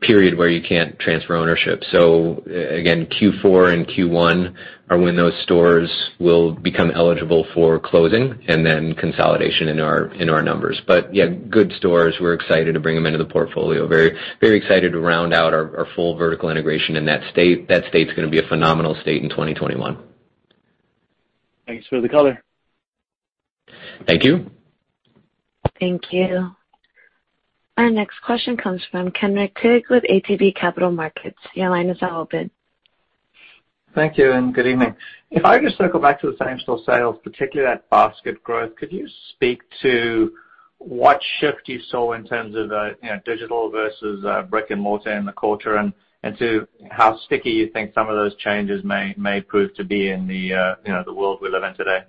period where you can't transfer ownership. So again, Q4 and Q1 are when those stores will become eligible for closing and then consolidation in our numbers. But yeah, good stores. We're excited to bring them into the portfolio. Very excited to round out our full vertical integration in that state. That state's gonna be a phenomenal state in 2021. Thanks for the color. Thank you. Thank you. Our next question comes from Kenric Tyghe with ATB Capital Markets. Your line is now open. Thank you and good evening. If I just circle back to the same store sales, particularly that basket growth, could you speak to what shift you saw in terms of, you know, digital versus, brick and mortar in the quarter, and to how sticky you think some of those changes may prove to be in the, you know, the world we live in today?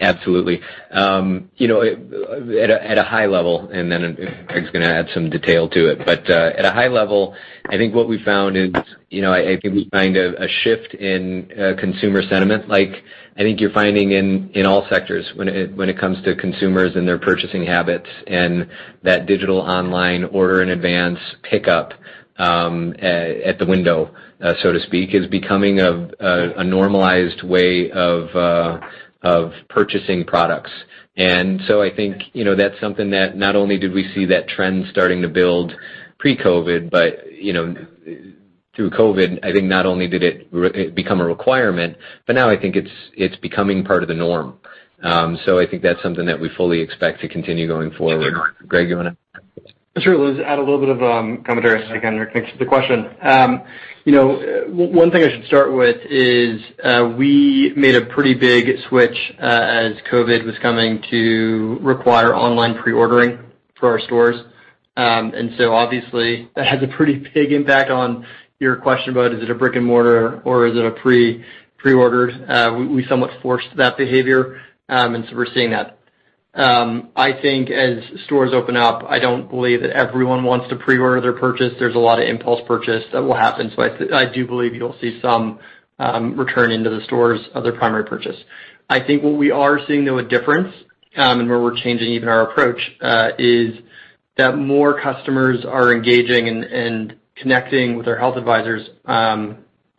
Absolutely. You know, at a high level, and then Greg's gonna add some detail to it. But, at a high level, I think what we found is, you know, I think we find a shift in consumer sentiment, like I think you're finding in all sectors when it comes to consumers and their purchasing habits, and that digital online order in advance pickup at the window, so to speak, is becoming a normalized way of purchasing products. And so I think, you know, that's something that not only did we see that trend starting to build pre-COVID, but, you know, through COVID, I think not only did it become a requirement, but now I think it's becoming part of the norm. So, I think that's something that we fully expect to continue going forward. Greg, you wanna? Sure. Let's add a little bit of commentary. Again, thanks for the question. You know, one thing I should start with is, we made a pretty big switch, as COVID was coming to require online pre-ordering for our stores. And so obviously, that has a pretty big impact on your question about is it a brick-and-mortar or is it a pre-ordered? We somewhat forced that behavior, and so we're seeing that. I think as stores open up, I don't believe that everyone wants to pre-order their purchase. There's a lot of impulse purchase that will happen. So I do believe you'll see some return into the stores of their primary purchase. I think what we are seeing, though, a difference, and where we're changing even our approach, is-... that more customers are engaging and connecting with our health advisors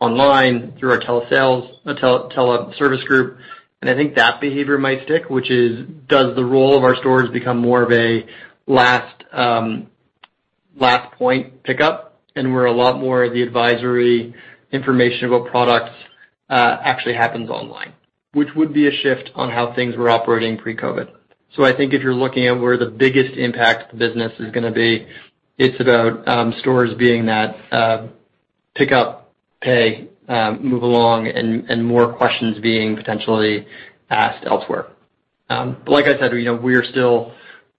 online through our telesales, teleservice group. And I think that behavior might stick, which is, does the role of our stores become more of a last point pickup? And where a lot more of the advisory information about products actually happens online, which would be a shift on how things were operating pre-COVID. So I think if you're looking at where the biggest impact to the business is gonna be, it's about stores being that pick up, pay, move along, and more questions being potentially asked elsewhere. Like I said, you know, we are still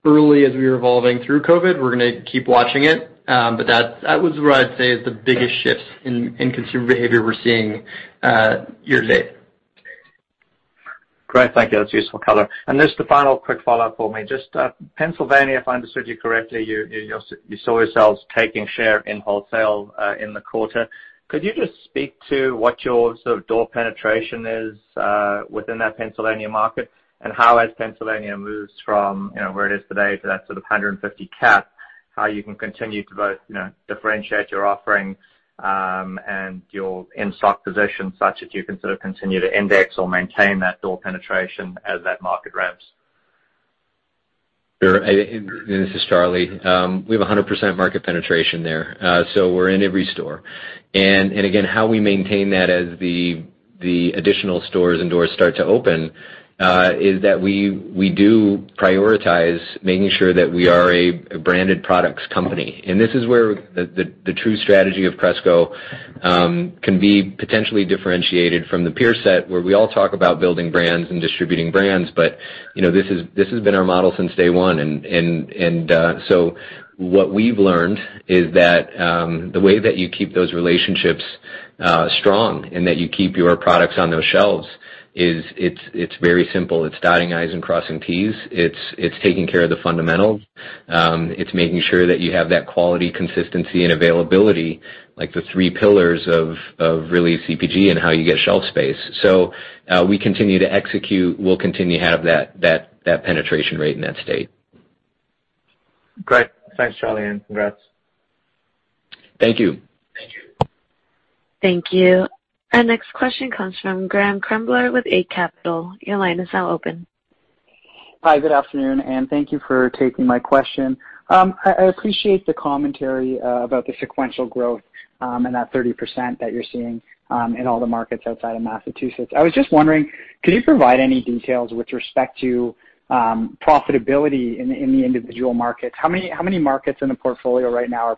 early as we are evolving through COVID. We're gonna keep watching it. But that was what I'd say is the biggest shifts in consumer behavior we're seeing year to date. Great. Thank you. That's useful color. And just a final quick follow-up for me. Just Pennsylvania, if I understood you correctly, you saw yourselves taking share in wholesale in the quarter. Could you just speak to what your sort of door penetration is within that Pennsylvania market? And how, as Pennsylvania moves from, you know, where it is today to that sort of 150 cap, how you can continue to both, you know, differentiate your offering and your in-stock position, such that you can sort of continue to index or maintain that door penetration as that market ramps? Sure, and this is Charlie. We have 100% market penetration there, so we're in every store, and again, how we maintain that as the additional stores and doors start to open is that we do prioritize making sure that we are a branded products company, and this is where the true strategy of Cresco can be potentially differentiated from the peer set, where we all talk about building brands and distributing brands, but you know, this is - this has been our model since day one, and so what we've learned is that the way that you keep those relationships strong and that you keep your products on those shelves is it's very simple. It's dotting I's and crossing T's. It's taking care of the fundamentals. It's making sure that you have that quality, consistency, and availability, like the three pillars of really CPG and how you get shelf space. So, we continue to execute. We'll continue to have that penetration rate in that state. Great. Thanks, Charlie, and congrats. Thank you. Thank you. Thank you. Our next question comes from Graeme Kreindler with Eight Capital. Your line is now open. Hi, good afternoon, and thank you for taking my question. I appreciate the commentary about the sequential growth and that 30% that you're seeing in all the markets outside of Massachusetts. I was just wondering, could you provide any details with respect to profitability in the individual markets? How many markets in the portfolio right now are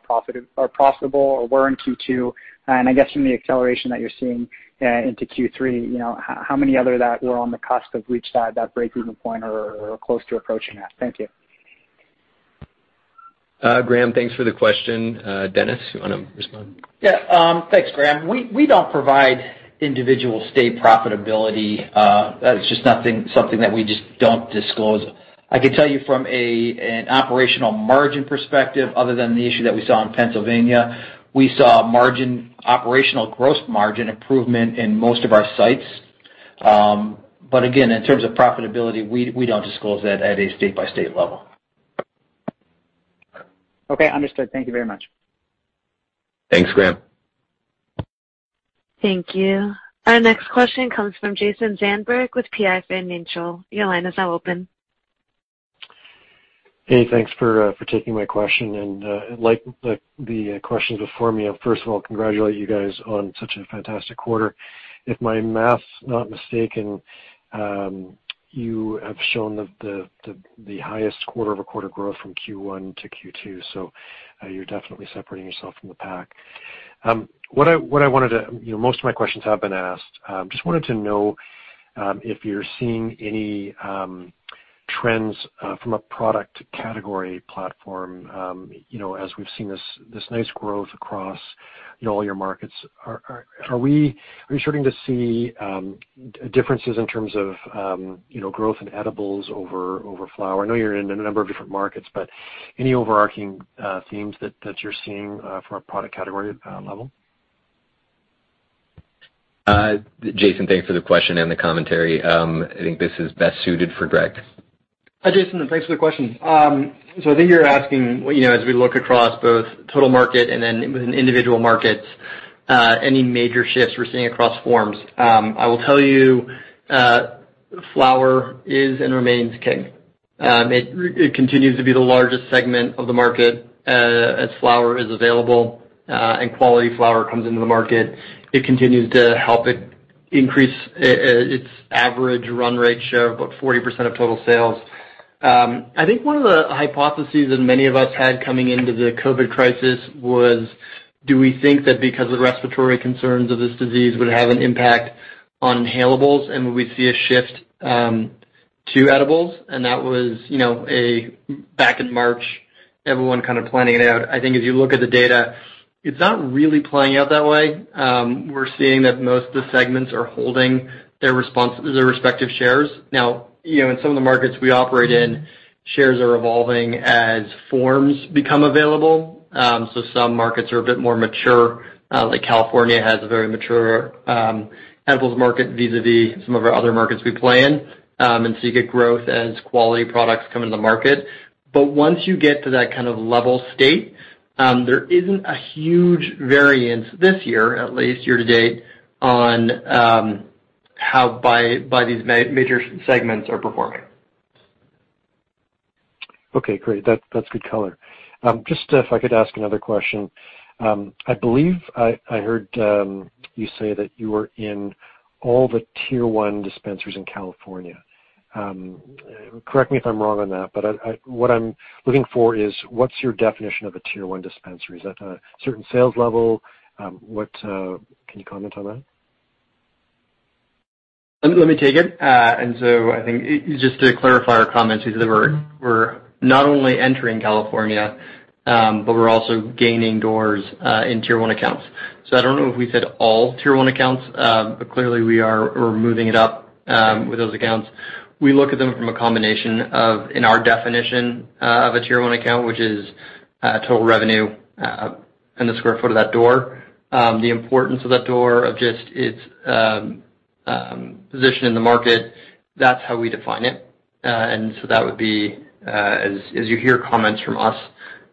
profitable or were in Q2? And I guess from the acceleration that you're seeing into Q3, you know, how many other that were on the cusp of reach that breakeven point or close to approaching that? Thank you. Graeme, thanks for the question. Dennis, you wanna respond? Yeah. Thanks, Graham. We don't provide individual state profitability. That's just something that we just don't disclose. I can tell you from an operational margin perspective, other than the issue that we saw in Pennsylvania, we saw a margin, operational gross margin improvement in most of our sites. But again, in terms of profitability, we don't disclose that at a state-by-state level. Okay, understood. Thank you very much. Thanks, Graham. Thank you. Our next question comes from Jason Zandberg with PI Financial. Your line is now open. Hey, thanks for taking my question. And, like the question before me, first of all, congratulate you guys on such a fantastic quarter. If my math's not mistaken, you have shown the highest quarter over quarter growth from Q1 to Q2, so you're definitely separating yourself from the pack. What I wanted to... You know, most of my questions have been asked. Just wanted to know, if you're seeing any trends from a product category platform, you know, as we've seen this nice growth across, you know, all your markets. Are we starting to see differences in terms of, you know, growth in edibles over flower? I know you're in a number of different markets, but any overarching themes that you're seeing from a product category level? Jason, thanks for the question and the commentary. I think this is best suited for Greg. Hi, Jason, and thanks for the question. So I think you're asking, you know, as we look across both total market and then within individual markets, any major shifts we're seeing across forms. I will tell you, flower is and remains king. It continues to be the largest segment of the market, as flower is available, and quality flower comes into the market. It continues to help it increase its average run rate share, about 40% of total sales. I think one of the hypotheses that many of us had coming into the COVID crisis was: Do we think that because of the respiratory concerns of this disease, would have an impact on inhalables, and would we see a shift to edibles? And that was, you know, as back in March, everyone kind of planning it out. I think if you look at the data, it's not really playing out that way. We're seeing that most of the segments are holding their respective shares. Now, you know, in some of the markets we operate in, shares are evolving as forms become available. So some markets are a bit more mature, like California has a very mature, edibles market vis-a-vis some of our other markets we play in. And so you get growth as quality products come into the market. But once you get to that kind of level, there isn't a huge variance this year, at least year-to-date, on how these major segments are performing. Okay, great. That, that's good color. Just if I could ask another question. I believe I heard you say that you were in all the Tier One dispensaries in California. Correct me if I'm wrong on that, but what I'm looking for is, what's your definition of a Tier One dispensary? Is that a certain sales level? Can you comment on that? Let me take it. And so I think just to clarify our comments is that we're not only entering California, but we're also gaining doors in Tier One accounts. So I don't know if we said all Tier One accounts, but clearly, we are moving it up with those accounts. We look at them from a combination of, in our definition, of a Tier One account, which is total revenue and the square foot of that door. The importance of that door, of just its position in the market, that's how we define it. And so that would be, as you hear comments from us,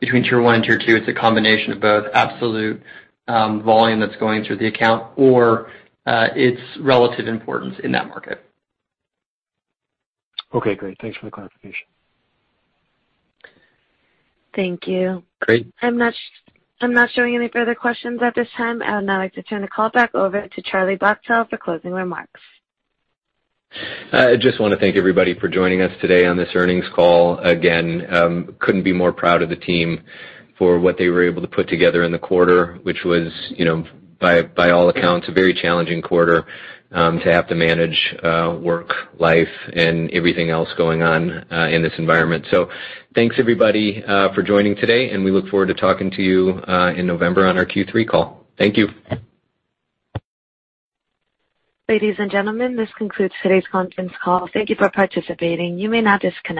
between Tier One and Tier Two, it's a combination of both absolute volume that's going through the account or its relative importance in that market. Okay, great. Thanks for the clarification. Thank you. Great. I'm not, I'm not showing any further questions at this time. I would now like to turn the call back over to Charlie Bachtell for closing remarks. I just wanna thank everybody for joining us today on this earnings call. Again, couldn't be more proud of the team for what they were able to put together in the quarter, which was, you know, by all accounts, a very challenging quarter, to have to manage work, life, and everything else going on in this environment. So thanks, everybody, for joining today, and we look forward to talking to you in November on our Q3 call. Thank you. Ladies and gentlemen, this concludes today's conference call. Thank you for participating. You may now disconnect.